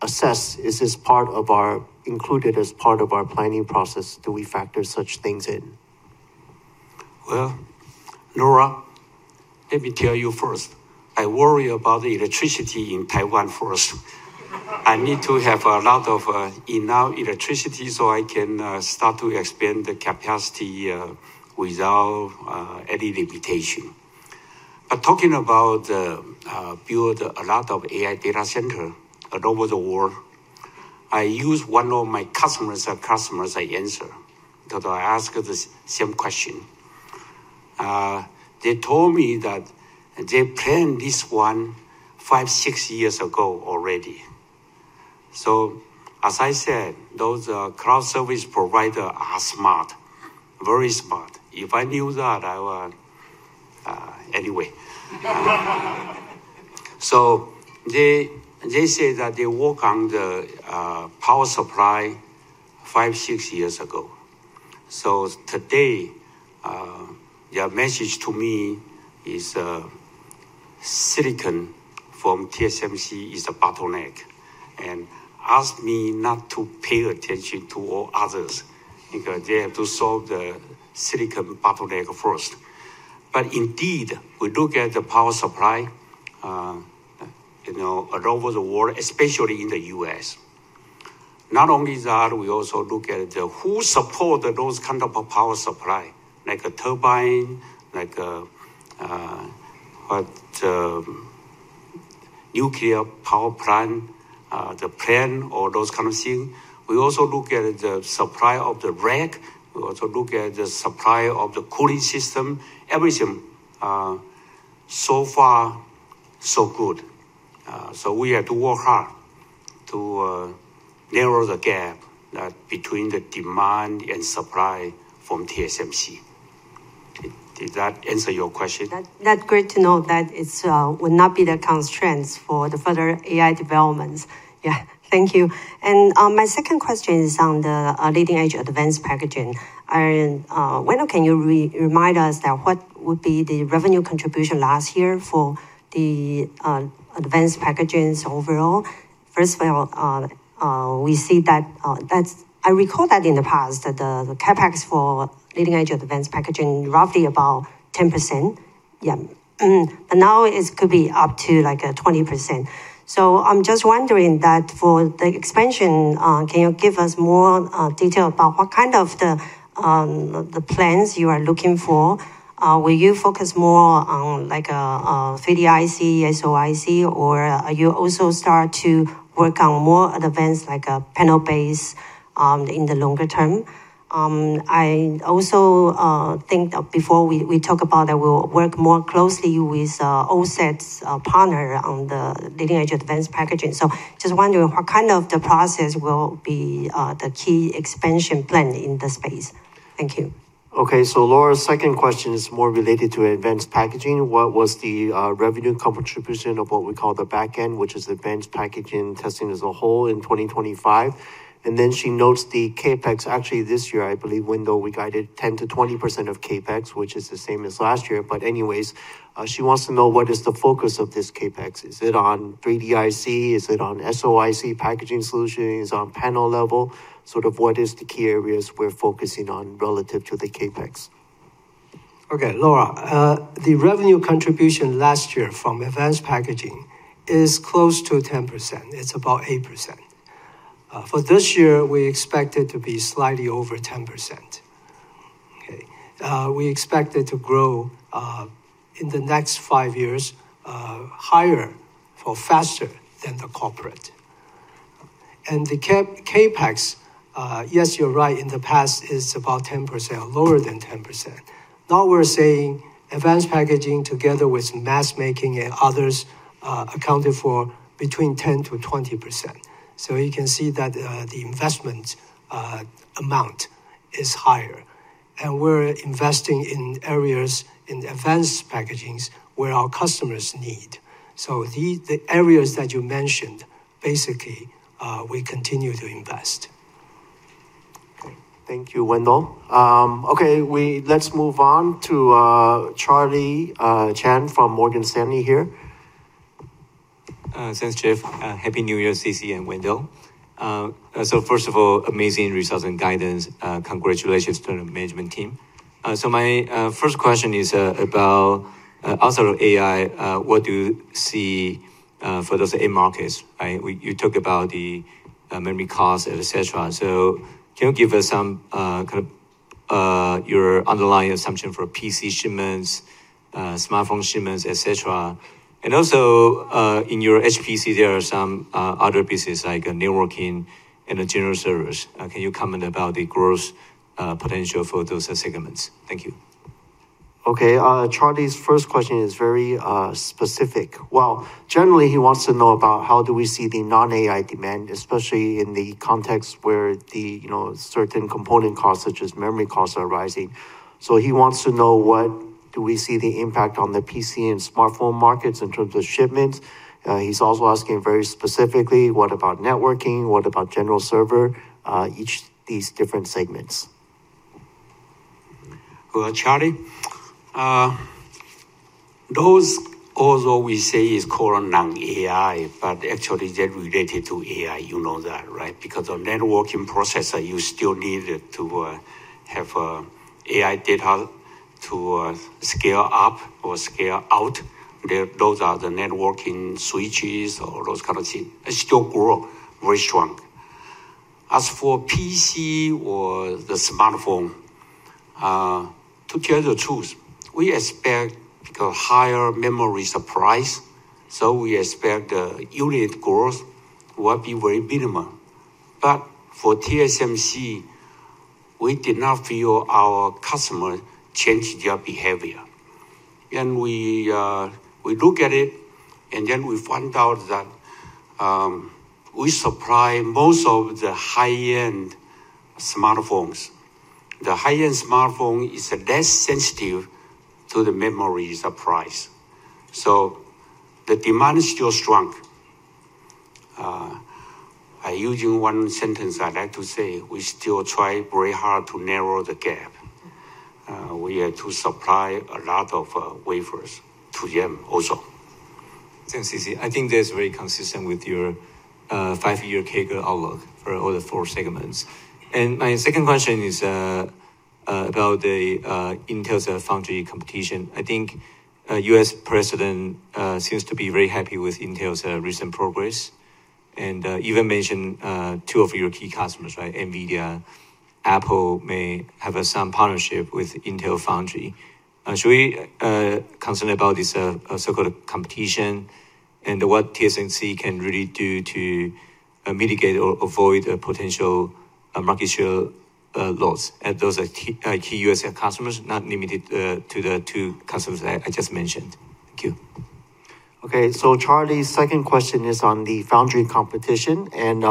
assess is this part of our included as part of our planning process. Do we factor such things in? Laura, let me tell you first I worry about the electricity in Taiwan first. I need to have a lot of enough electricity so I can start to expand the capacity without any limitation. But talking about build a lot of AI data center all over the world, I use one of my customers. I answer because I asked the same question. They told me that they planned this one five, six years ago already. So as I said, those cloud service provider are smart, very smart. If I knew that I would anyway. So they say that they work on the power supply five, six years ago. So today their message to me is silicon from TSMC is a bottleneck and asked me not to pay attention to all others because they have to solve the silicon bottleneck first. But indeed we look at the power supply, you know, all over the world, especially in the U.S. Not only that, we also look at who support those kind of power supply like a turbine, like nuclear power plant, the plant, all those kind of things. We also look at the supply of the rack. We also look at the supply of the cooling system. Everything so far so good. So we have to work hard to narrow the gap between the demand and supply from TSMC. Did that answer your question? That's great to know that it would not be the constraints for the further AI developments. Yeah, thank you. And my second question is on the leading edge advanced packaging, when can you remind us that what would be the revenue contribution last year for the advanced packaging overall? First of all, we see that I recall that in the past the CapEx for leading edge advanced packaging, roughly about 10%. Yeah. But now it could be up to like a 20%. So I'm just wondering that for the expansion, can you give us more detail about what kind of the plans you are looking for? Will you focus more on like 3D IC, SoIC or you also start to work on more advanced like a panel-based in the longer term? I also think before we talk about that, we'll work more closely with OSATs partner on the leading edge advanced packaging. So just wondering what kind of the process will be the key expansion plan in the space. Thank you. Okay, so Laura's second question is more related to advanced packaging. What was the revenue contribution of what we call the back end, which is advanced packaging testing as a whole in 2025? And then she notes the CapEx, actually this year I believe window, we guided 10%-20% of CapEx, which is the same as last year. But anyways, she wants to know what is the focus of this CapEx? Is, is it on 3D IC, is it on SoIC Packaging Solutions on panel level? Sort of. What is the key areas we're focusing on relative to the CapEx? Okay, Laura, the revenue contribution last year from advanced packaging is close to 10%. It's about 8% for this year. We expect it to be slightly over 10%. We expect it to grow in the next five years higher or faster than the corporate and the CapEx. Yes, you're right. In the past is about 10% lower than 10%. Now we're saying advanced packaging together with mask making and others accounted for between 10% to 20%. So you can see that the investment amount is higher and we're investing in areas in advanced packaging where our customers need. So the areas that you mentioned, basically we continue to invest. Thank you, Wendell. Okay, let's move on to Charlie Chan from Morgan Stanley here. Thanks Jeff. Happy New Year, C.C. and Wendell. So first of all, amazing results and guidance. Congratulations to the management team. So my first question is about outside of AI, what do you see for those end markets? Right? You talk about the memory cost, etc. So can you give us some kind of your underlying assumption for PC shipments, smartphone shipments, etc. And also in your HPC there are some other pieces like networking and general servers. Can you comment about the growth potential for those segments? Thank you. Okay, Charlie's first question is very specific. Well, generally he wants to know about how do we see the non AI demand, especially in the context where the, you know, certain component costs, such as memory costs are rising. So he wants to know what do we see the impact on the PC and smartphone markets in terms of shipments. He's also asking very specifically what about networking, what about general server? Each these different segments. Charlie, those also we say is called non AI, but actually that related to AI. You know that, right? Because of networking processor, you still need to have AI data to scale up or scale out. Those are the networking switches, all those kind of things. It still grow very strong. As for PC or the smartphone, to tell the truth, we expect higher memory supplies. So we expect the unit growth would be very minimal. But for TSMC, we did not feel our customers change their behavior and we look at it and then we find out that we supply most of the high end smartphones. The high end smartphone is less sensitive to the memory supplies so the demand is still strong. Using one sentence I'd like to say we still try very hard to narrow the gap. We have to supply a lot of wafers to them also. Thanks, C.C. I think that's very consistent with your five-year CAGR outlook for all the four segments. And my second question is about Intel's foundry competition. I think U.S. President seems to be very happy with Intel's recent progress and even mentioned two of your key customers. Right. NVIDIA Apple may have some partnership with Intel Foundry. Should we be concerned about this so-called competition and what TSMC can really do to mitigate or avoid potential market share loss as those are key U.S. customers not limited to the two customers I just mentioned. Thank you. Okay, so Charlie's second question is on the Foundry competition and,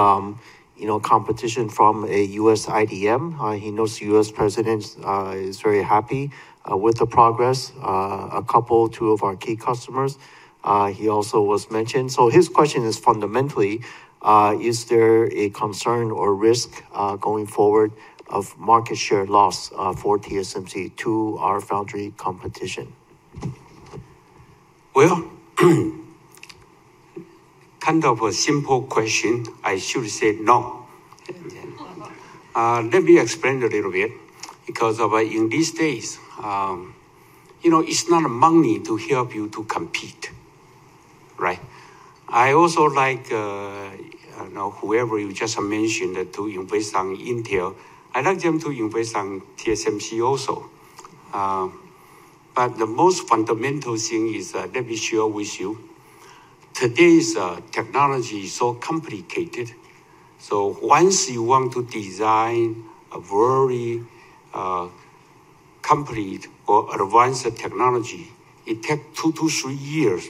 you know, competition from a U.S. IDM. He knows the U.S. President is very happy with the progress. A couple two of our key customers he also was mentioned. So his question is fundamentally, is there a concern or risk going forward of market share loss for TSMC to our Foundry competition? Kind of a simple question, I should say. No, let me explain a little bit because in these days, you know, it's not money to help you to compete, right? I also like whoever you just mentioned to invest on Intel. I like them to invest on TSMC also. But the most fundamental thing is. Let me share with you. Today's technology is so complicated. So once you want to design a very complete or advanced technology, it takes two to three years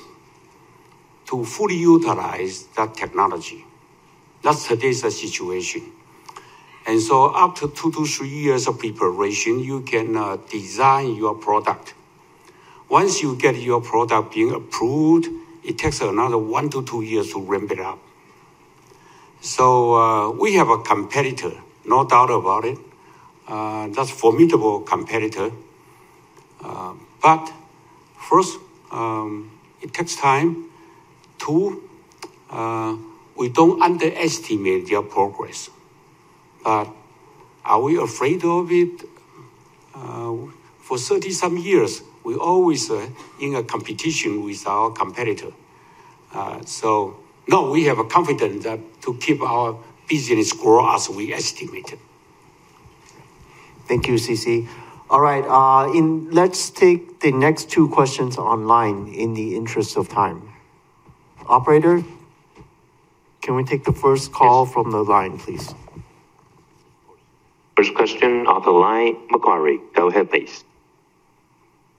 to fully utilize that technology. That's the situation, and so up to two to three years of preparation you can design your product. Once you get your product being approved, it takes another one to two years to ramp it up, so we have a competitor, no doubt about it, that's formidable competitor, but first it takes time. We don't underestimate their progress, but are we afraid of it? For 30-some years we always in a competition with our competitor, so no we have a confidence to keep our business grow as we estimated. Thank you, C.C. All right, let's take the next two questions online in the interest of time. Operator, can we take the first call from the line, please? First question. Arthur Lai, Macquarie, go ahead please.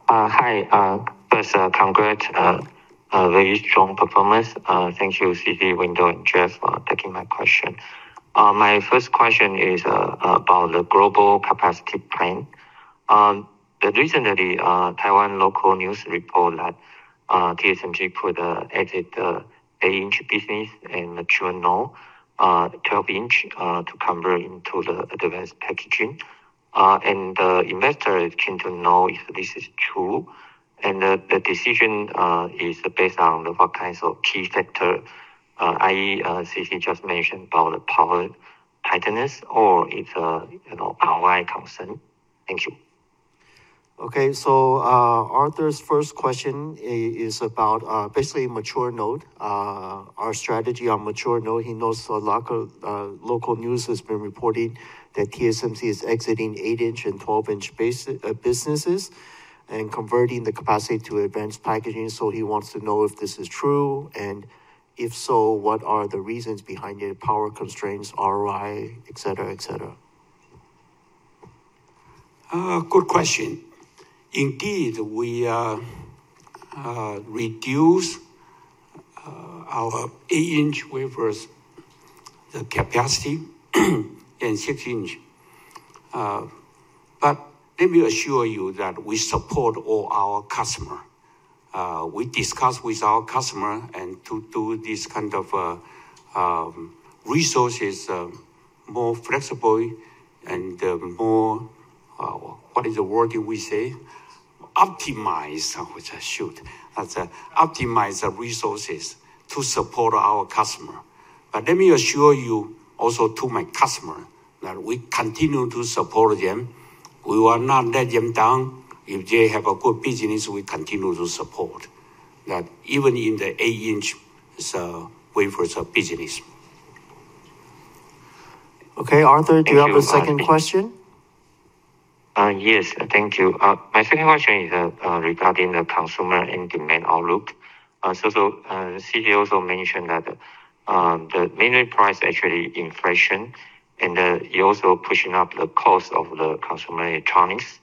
Hi, first, congratulations. Very strong performance. Thank you, C.C. Wei and Jeff Su, for taking my question. My first question is about the global capacity plan. Recently, Taiwan local news report that TSMC could exit the 8-inch business and mature node 12-inch to convert into the advanced packaging, and the investors keen to know if this is true, and the decision is based on what kinds of key factor that is C.C. just mentioned about the power density or if you know power. Thank you. Okay, so Arthur's first question is about basically mature nodes, our strategy on mature nodes. He knows a lot of local news has been reporting that TSMC is exiting 8-inch and 12-inch basic businesses and converting the capacity to advanced packaging. So he wants to know if this is true and, if so, what are the reasons behind the power constraints, ROI, etc. Good question indeed. We reduce our 8-inch wafers, the capacity and 6-inch but let me assure you that we support all our customers, we discuss with our customers and to do this kind of resources more flexible and more. What is the word we say? Optimize. Optimize the resources to support our customers. But let me assure you also to my customers that we continue to support them. We will not let them down if they have a good business. We continue to support that even in the 8-inch wafers of business. Okay Arthur, do you have a second question? Yes, thank you. My second question is regarding the consumer and demand outlook. So C.C. also mentioned that the NAND price actually inflation and you also pushing up the cost of the consumer electronics.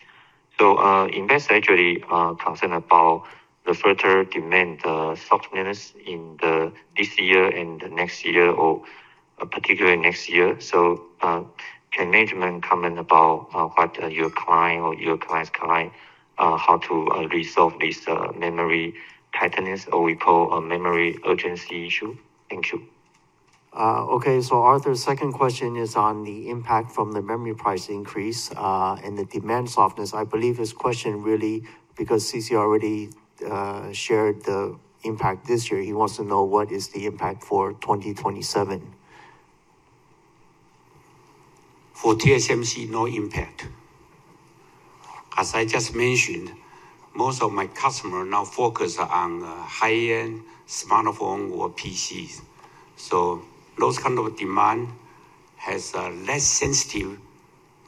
So investors actually are concerned about the further demand softness in this year and next year or particularly next year. So can management comment about what your client or your client's client how to resolve this memory tightness or we call a memory urgency issue. Thank you. Okay, so Arthur's second question is on the impact from the memory price increase and the demand softness. I believe his question really, because C.C. already shared the impact this year. He wants to know what is the impact for 2027. For TSMC? No impact. As I just mentioned, most of my customers now focus on high-end smartphone or PCs, so those kind of demand has less sensitive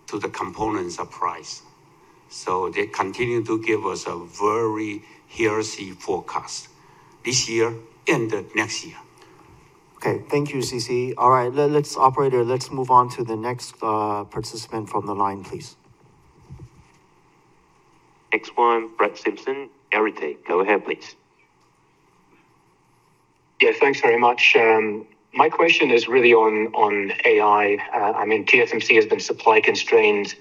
to the components of price, so they continue to give us a very healthy forecast this year and next year. Okay, thank you, C.C. All right, operator, let's move on to the next participant from the line, please. Brett Simpson, Arete, go ahead please. Yeah, thanks very much. My question is really on AI. I mean TSMC has been supply constrained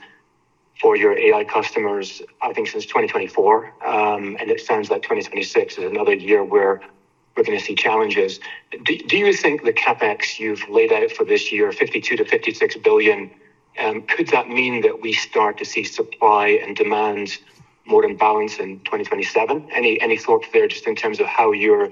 for your AI customers I think since 2024 and it sounds like 2026 is another year where we're going to see challenges. Do you think the CapEx you've laid out for this year $52 billion-$56 billion could that mean that we start to see supply and demand more in balance in 2027? Any thought there just in terms of how you're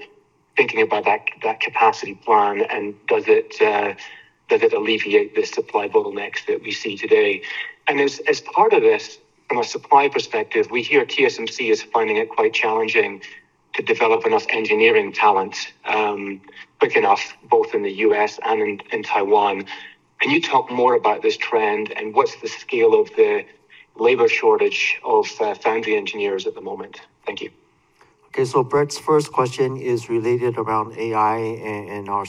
thinking about that capacity plan and does it alleviate this supply bottlenecks that we see today? And as part of this from a supply perspective, we hear TSMC is finding it quite challenging to develop enough engineering talent quick enough both in the U.S. and in Taiwan. Can you talk more about this trend and what's the scale of the labor shortage of Foundry engineers at the moment? Thank you. Okay, so Brett's first question is related around AI and our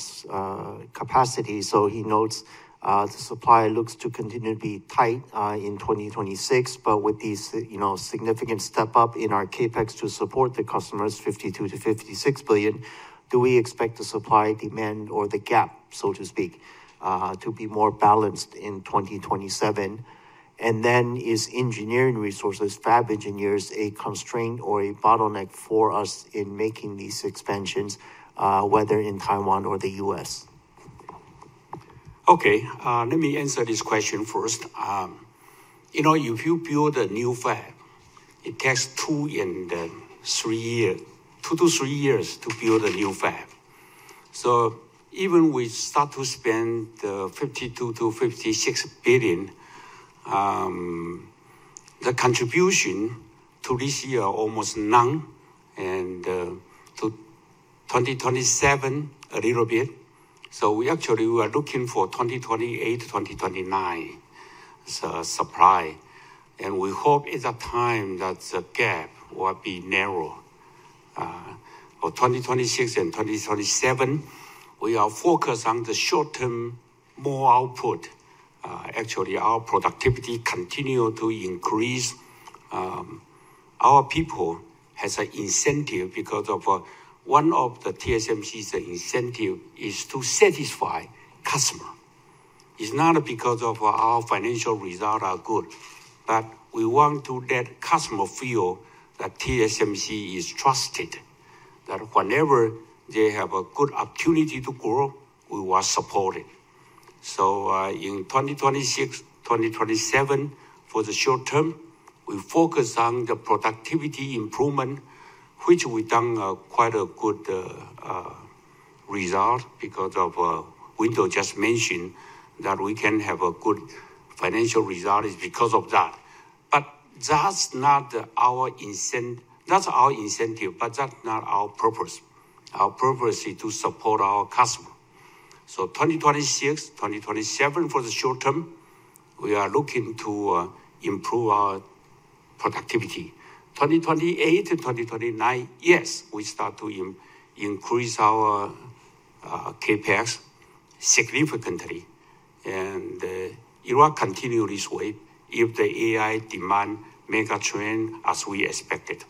capacity. So he notes the supply looks to continue to be tight in 2026. But with these significant step up in our CapEx to support the customers $52 billion-$56 billion, do we expect the supply demand or the gap so to speak to be more balanced in 2027? And then is engineering resources fab engineers a constraint or a bottleneck for us in making these expansions whether in Taiwan or the U.S.? Okay, let me answer this question first. You know, if you build a new fab, it takes two and three years, two to three years to build a new fab. So even we start to spend $52 billion-$56 billion. The contribution to this year almost none. And to 2027 a little bit. So we actually were looking for 2028, 2029 supply. And we hope it's a time that the gap will be narrow. For 2026 and 2027 we are focused on the short term, more output. Actually our productivity continue to increase. Our people has an incentive because of one of the TSMC's incentive is to satisfy customer. It's not because of our financial result are good, but we want to let customer feel that TSMC is trusted. That whenever they have a good opportunity to grow, we will support it. So, in 2026-2027, for the short term, we focus on the productivity improvement which we've done quite a good result because Wendell just mentioned that we can have a good financial result is because of that. But that's not our incentive. That's our incentive. But that's not our purpose. Our purpose is to support our customer. So, 2026-2027, for the short term, we are looking to improve our productivity. 2028-2029, yes, we start to increase our CapEx significantly and we continue this wave of the AI demand megatrend as we expected.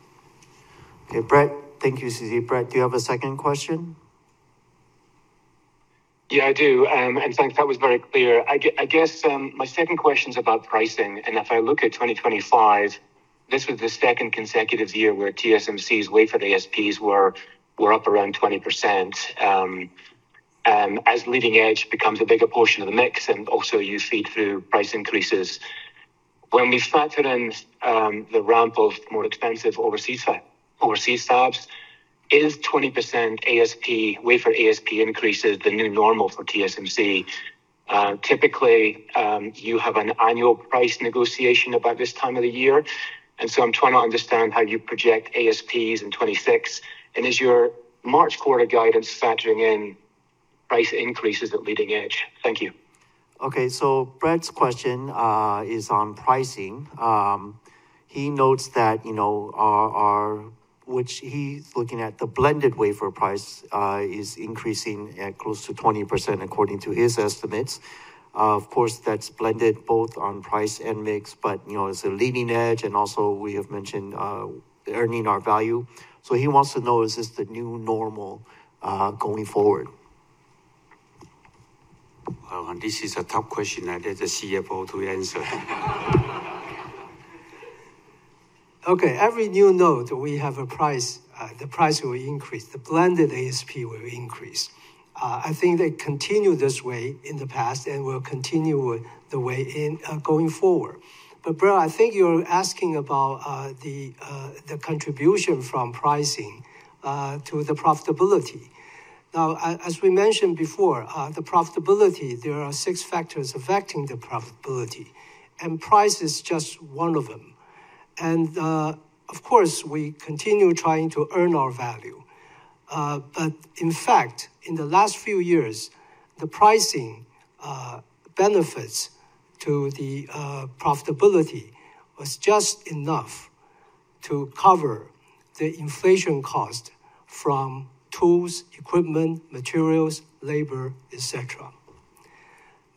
Okay, Brett, thank you, C.C. Brett, do you have a second question? Yeah, I do, and thanks. That was very clear. I guess my second question is about pricing. If I look at 2025, this was the second consecutive year where TSMC's wafer ASPs were up around 20%. As leading edge becomes a bigger portion of the mix and also you feed through price increases. When we factor in the ramp of more expensive overseas fabs, is 20% wafer ASP increases the new normal for TSMC. Typically you have an annual price negotiation about this time of the year. I'm trying to understand how you project ASPs in 2026. Is your March quarter guidance factoring in price increases at leading edge. Thank you. Okay, so Brett's question is on pricing. He notes that you know which he's looking at. The blended wafer price is increasing close to 20% according to his estimates. Of course that's blended both on price and mix but you know, it's a leading edge. And also we have mentioned earning our value. So he wants to know is this the new normal going forward? This is a tough question. I need the CFO to answer. Okay, every new node we have a price, the price will increase, the blended ASP will increase. I think they continue this way in the past and will continue the way in going forward but Brett, I think you're asking about the contribution from pricing to the profitability. Now as we mentioned before, the profitability. There are six factors affecting the profitability and price is just one of them and of course we continue trying to earn our value but in fact in the last few years the pricing benefits to the profitability was just enough to cover the inflation cost from tools, equipment, materials, labor, etc.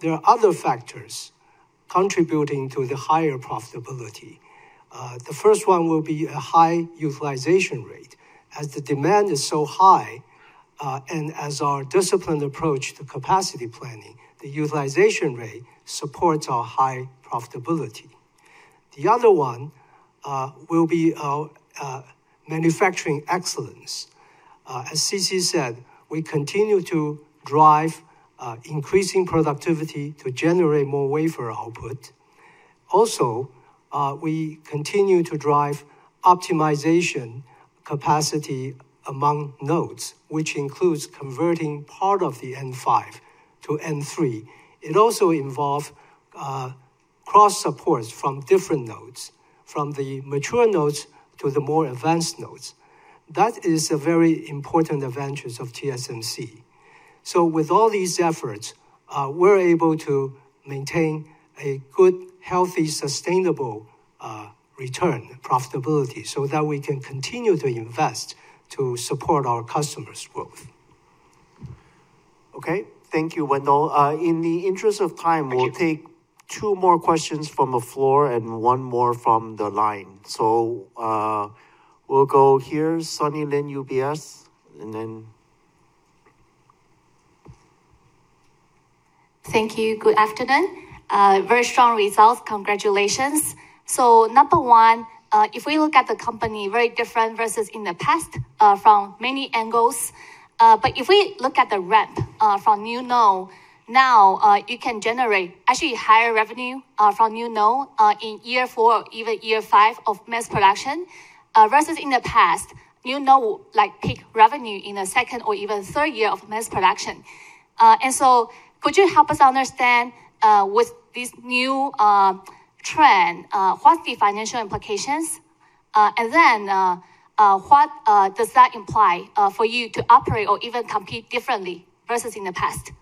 There are other factors contributing to the higher profitability. The first one will be a high utilization rate as the demand is so high and as our disciplined approach to capacity planning. The utilization rate supports our high profitability. The other one will be our manufacturing excellence. As C.C. said, we continue to drive increasing productivity to generate more wafer output. Also, we continue to drive optimization capacity among nodes, which includes converting part of the N5 to N3. It also involves cross supports from different nodes from the mature nodes to the more advanced nodes. That is a very important advantage of TSMC, so with all these efforts we're able to maintain a good healthy sustainable return profitability so that we can continue to invest to support our customers' growth. Okay, thank you Wendell. In the interest of time, we'll take two more questions from the floor and one more from the line. So we'll go here. Sunny Lin, UBS and then. Thank you. Good afternoon. Very strong results. Congratulations. So number one, if we look at the company very different versus in the past from many angles. But if we look at the ramp from new node now, you can generate actually higher revenue from new node in year four, even year five of mass production versus in the past, you know, like peak revenue in the second or even third year of mass production. And so could you help us understand with this new trend, what's the financial implications? And then what does that imply for you to operate or even compete differently versus in the past?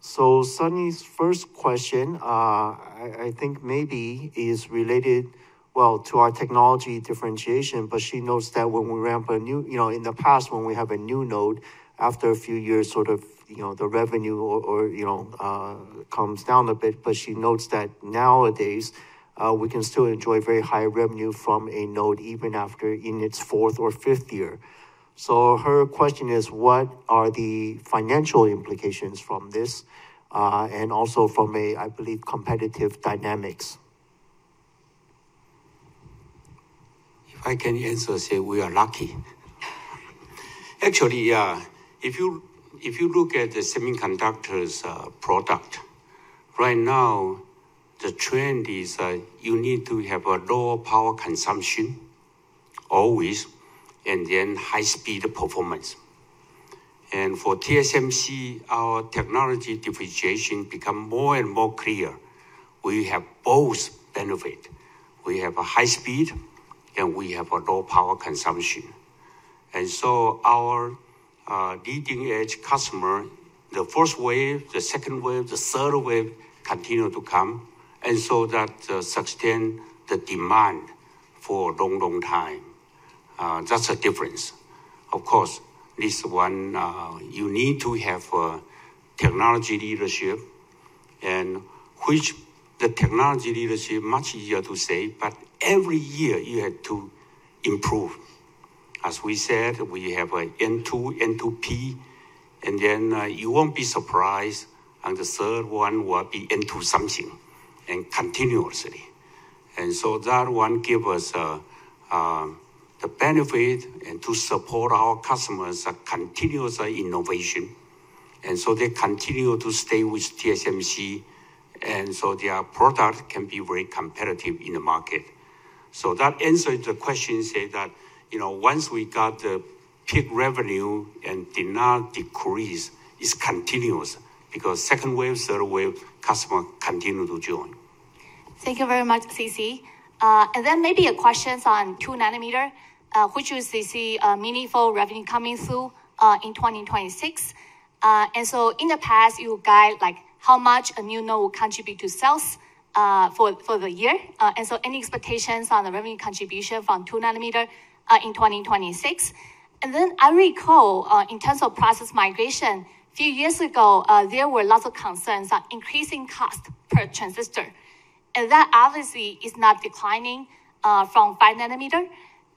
So Sunny's first question I think maybe is related well to our technology differentiation. But she knows that when we ramp a new, you know, in the past, when we have a new node after a few years, sort of, you know, the revenue or you know, comes down a bit. But she notes that nowadays we can still enjoy very high revenue from a node even after, in its fourth or fifth year. So her question is, what are the financial implications from this? And also from a, I believe, competitive dynamics. If I can answer, say we are lucky. Actually if you look at the semiconductors product right now, the trend is you need to have a lower power consumption always and then high speed performance. And for TSMC our technology differentiation become more and more clear. We have both benefit. We have a high speed and we have a low power consumption. And so our leading edge customer, the first wave, the second wave, the third wave continue to come. And so that sustain the demand for a long, long time. That's a difference. Of course this one you need to have technology leadership and which the technology leadership much easier to say. But every year you have to improve. As we said, we have N2 N2P and then you won't be surprised. And the third one will be N2 something and continuously. And so that one give us the benefit and to support our customers' continuous innovation. And so they continue to stay with TSMC and so their product can be very competitive in the market. So that answer the question, say that you know, once we got the peak revenue and did not decrease, it continues because second wave, third wave customer continue to join. Thank you very much, C.C. And then maybe a question on 2-nanometer, which is, C.C., a meaningful revenue coming through in 2026. And so in the past you guide like how much a new node will contribute to sales for the year. And so any expectations on the revenue contribution from 2-nanometer in 2026. And then I recall in terms of process migration, few years ago there were lots of concerns on increasing cost per transistor. And that obviously is not declining from 5-nanometer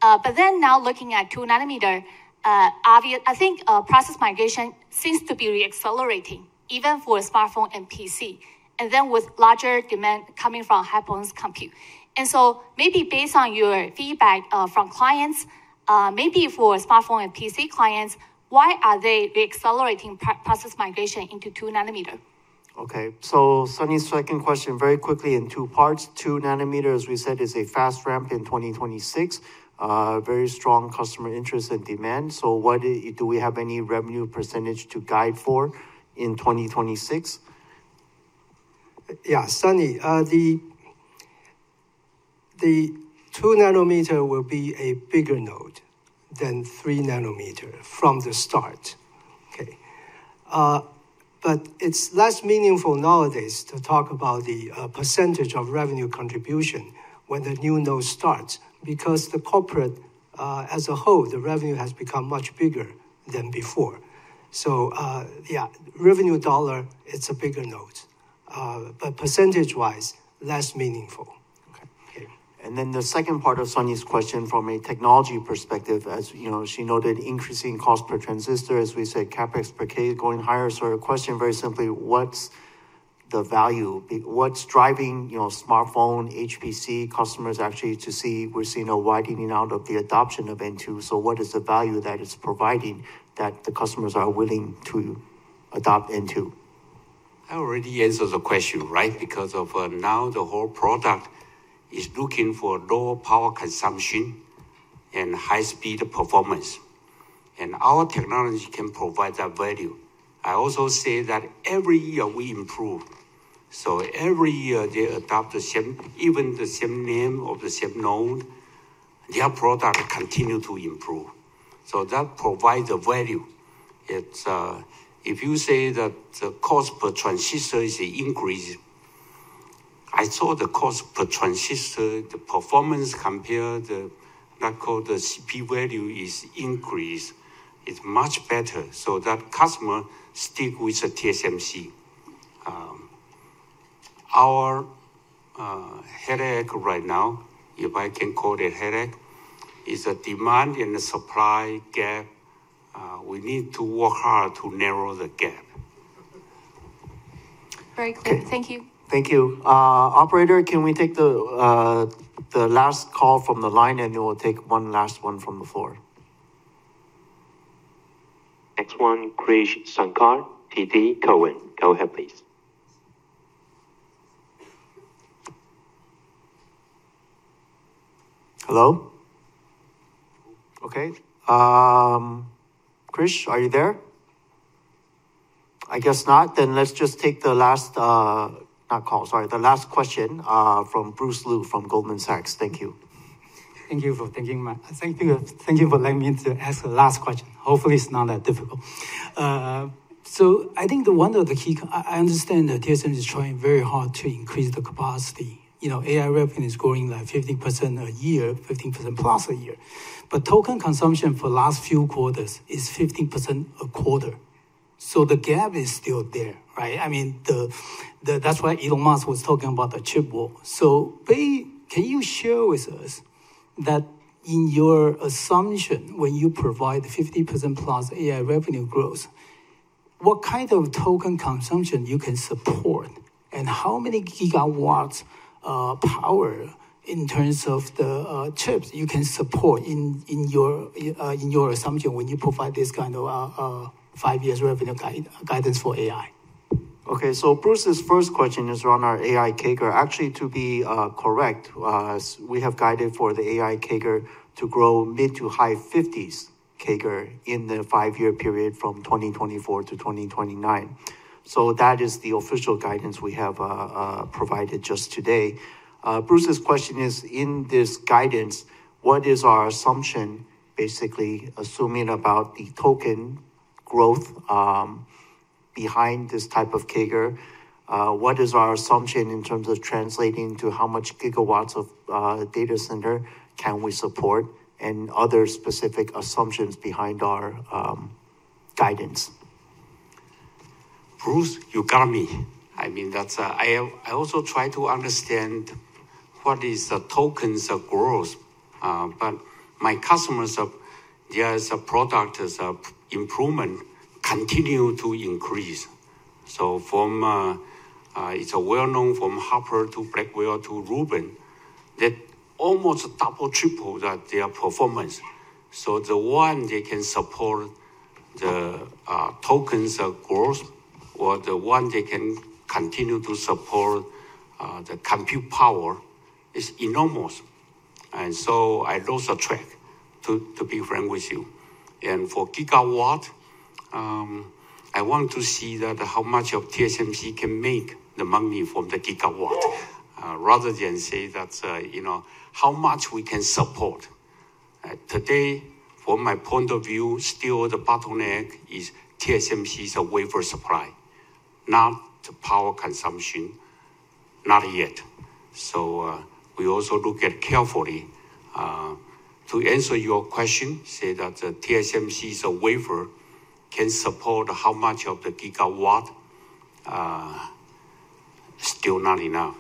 but then now looking at 2-nanometer I think process migration seems to be re-accelerating even for smartphone and PC and then with larger demand coming from high-performance computing. And so maybe based on your feedback from clients, maybe for smartphone and PC clients, why are they re-accelerating process migration into 2-nanometer? Okay, so Sunny's second question very quickly in two parts, 2 nanometer as we said is a fast ramp in 2026, very strong customer interest and demand, so what do we have any revenue percentage to guide for in 2026? Yeah, Sunny, the 2-nanometer will be a bigger node than 3-nanometer from the start. Okay. But it's less meaningful nowadays to talk about the percentage of revenue contribution when the new node starts because the company as a whole the revenue has become much bigger than before. So yeah, revenue dollar it's a bigger node but percentage wise less meaningful. And then the second part of Sunny's question from a technology perspective, as you know she noted increasing cost per transistor as we said CapEx per 1,000 going higher. So her question very simply, what's the value? What's driving smartphone HPC customers actually to see we're seeing a widening out of the adoption of N2. So what is the value that it's providing that the customers are willing to adopt N2? I already answered the question right because now the whole product is looking for low power consumption and high speed performance and our technology can provide that value. I also say that every year we improve. So every year they adopt the same, even the same name of the same node their product continue to improve. So that provides a value. If you say that the cost per transistor is increased, I saw the cost per transistor, the performance compared that called the CP value is increased, is much better. So that customer stick with the TSMC. Our headache right now, if I can call it headache is a demand and supply gap. We need to work hard to narrow the gap. Very clear, thank you. Thank you. Operator, can we take the last call from the line and we'll take one last one from the floor? Next one. Krish Sankar, TD Cowen. Go ahead, please. Hello? Okay Krish, are you there? I guess not. Then let's just take the last call. Sorry, the last question from Bruce Lu from Goldman Sachs. Thank you. Thank you for joining. Thank you for letting me ask the last question. Hopefully it's not that difficult. So I think one of the key. I understand that TSMC is trying very hard to increase the capacity, you know. AI wafer fab is growing like 15% a year. +15% a year. But token consumption for last few quarters is 15% a quarter. So the gap is still there, right? That's why Elon Musk was talking about the chip shortage. So, C.C., can you share with us that in your assumption when you provide +50% AI revenue growth, what kind of token consumption you can support and how many gigawatts power in terms of the chips you can support in your assumption when you provide this kind of five-year revenue guidance for AI. Okay, so Bruce's first question is on our AI CAGR. Actually to be correct we have guided for the AI CAGR to grow mid- to high 50s CAGR in the five-year period from 2024 to 2029. So that is the official guidance we have provided just today. Bruce's question is in this guidance what is our assumption basically assuming about the token growth behind this type of CAGR, what is our assumption in terms of translating to how much gigawatts of data center can we support? And other specific assumptions behind our guidance? Bruce, you got me. I mean that's, I, I also try to understand what is the tokens growth but my customers their product improvement continue to increase. So from, it's a well known from Hopper to Blackwell to Rubin that almost double triple their performance. So the one they can support the tokens growth or the one they can continue to support the compute power is enormous and so I lost track to be frank with you. For gigawatt I want to see that how much of TSMC can make the money from the gigawatt rather than say that you know how much we can support today. From my point of view still the bottleneck is TSMC's wafer supply, not power consumption. Not yet. We also look at carefully to answer your question, say that TSMC's wafer can support how much of the gigawatt. Still not enough.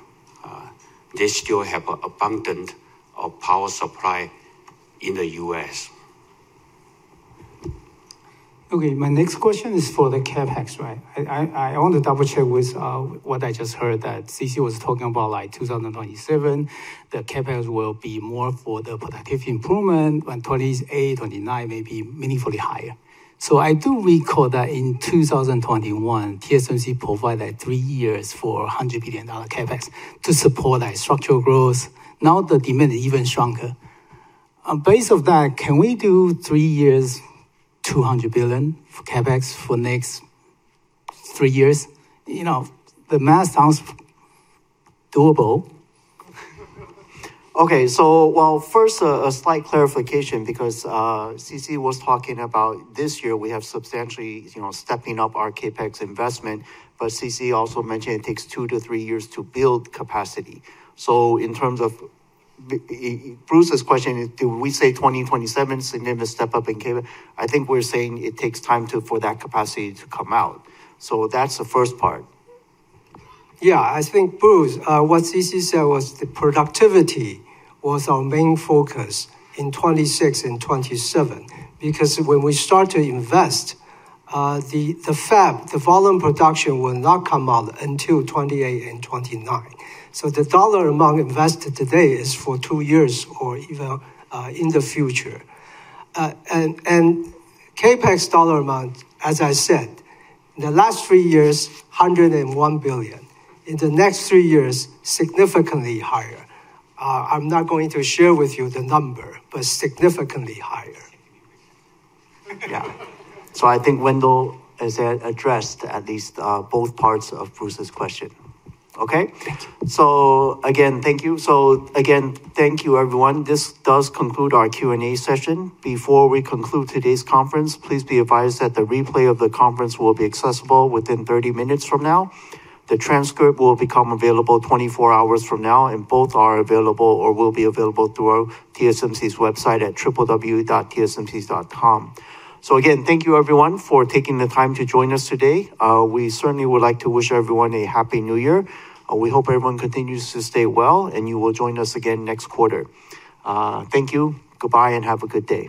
They still have an abundant power supply in the U.S. Okay, my next question is for the CapEx, right? I want to double-check with what I just heard that C.C. was talking about like 2027. The CapEx will be more for the productivity improvement when 2028-2029 may be meaningfully higher. So I do recall that in 2021 TSMC provided three years for $100 billion CapEx to support our structural growth. Now the demand is even stronger. Based on that, can we do three years? $200 billion for CapEx for next three years. You know the math sounds doable. First, a slight clarification because C.C. was talking about this year we have substantially, you know, stepping up our CapEx investment. But C.C. also mentioned it takes two to three years to build capacity. In terms of Bruce's question, is do we say 2027 significant step up in CapEx? I think we're saying it takes time for that capacity to come out. That is the first part. Yeah, I think Bruce, what C.C. said was the productivity was our main focus in 2026 and 2027 because when we start to invest the fab, the volume production will not come out until 2028 and 2029. So the dollar amount invested today is for two years or even in the future. And CapEx dollar amount, as I said in the last three years, $101 billion in the next three years, significantly higher. I'm not going to share with you the number, but significantly higher. Yeah, so I think Wendell has addressed at least both parts of Bruce's question. Okay, so again, thank you. So again, thank you everyone. This does conclude our Q&A session. Before we conclude today's conference, please be advised that the replay of the conference will be accessible within 30 minutes from now. The transcript will become available 24 hours from now and both are available or will be available throughout TSMC's website at www.tsmc.com. So again, thank you everyone for taking the time to join us today. We certainly would like to wish everyone a Happy New Year. We hope everyone continues to stay well and you will join us again next quarter. Thank you. Goodbye and have a good day.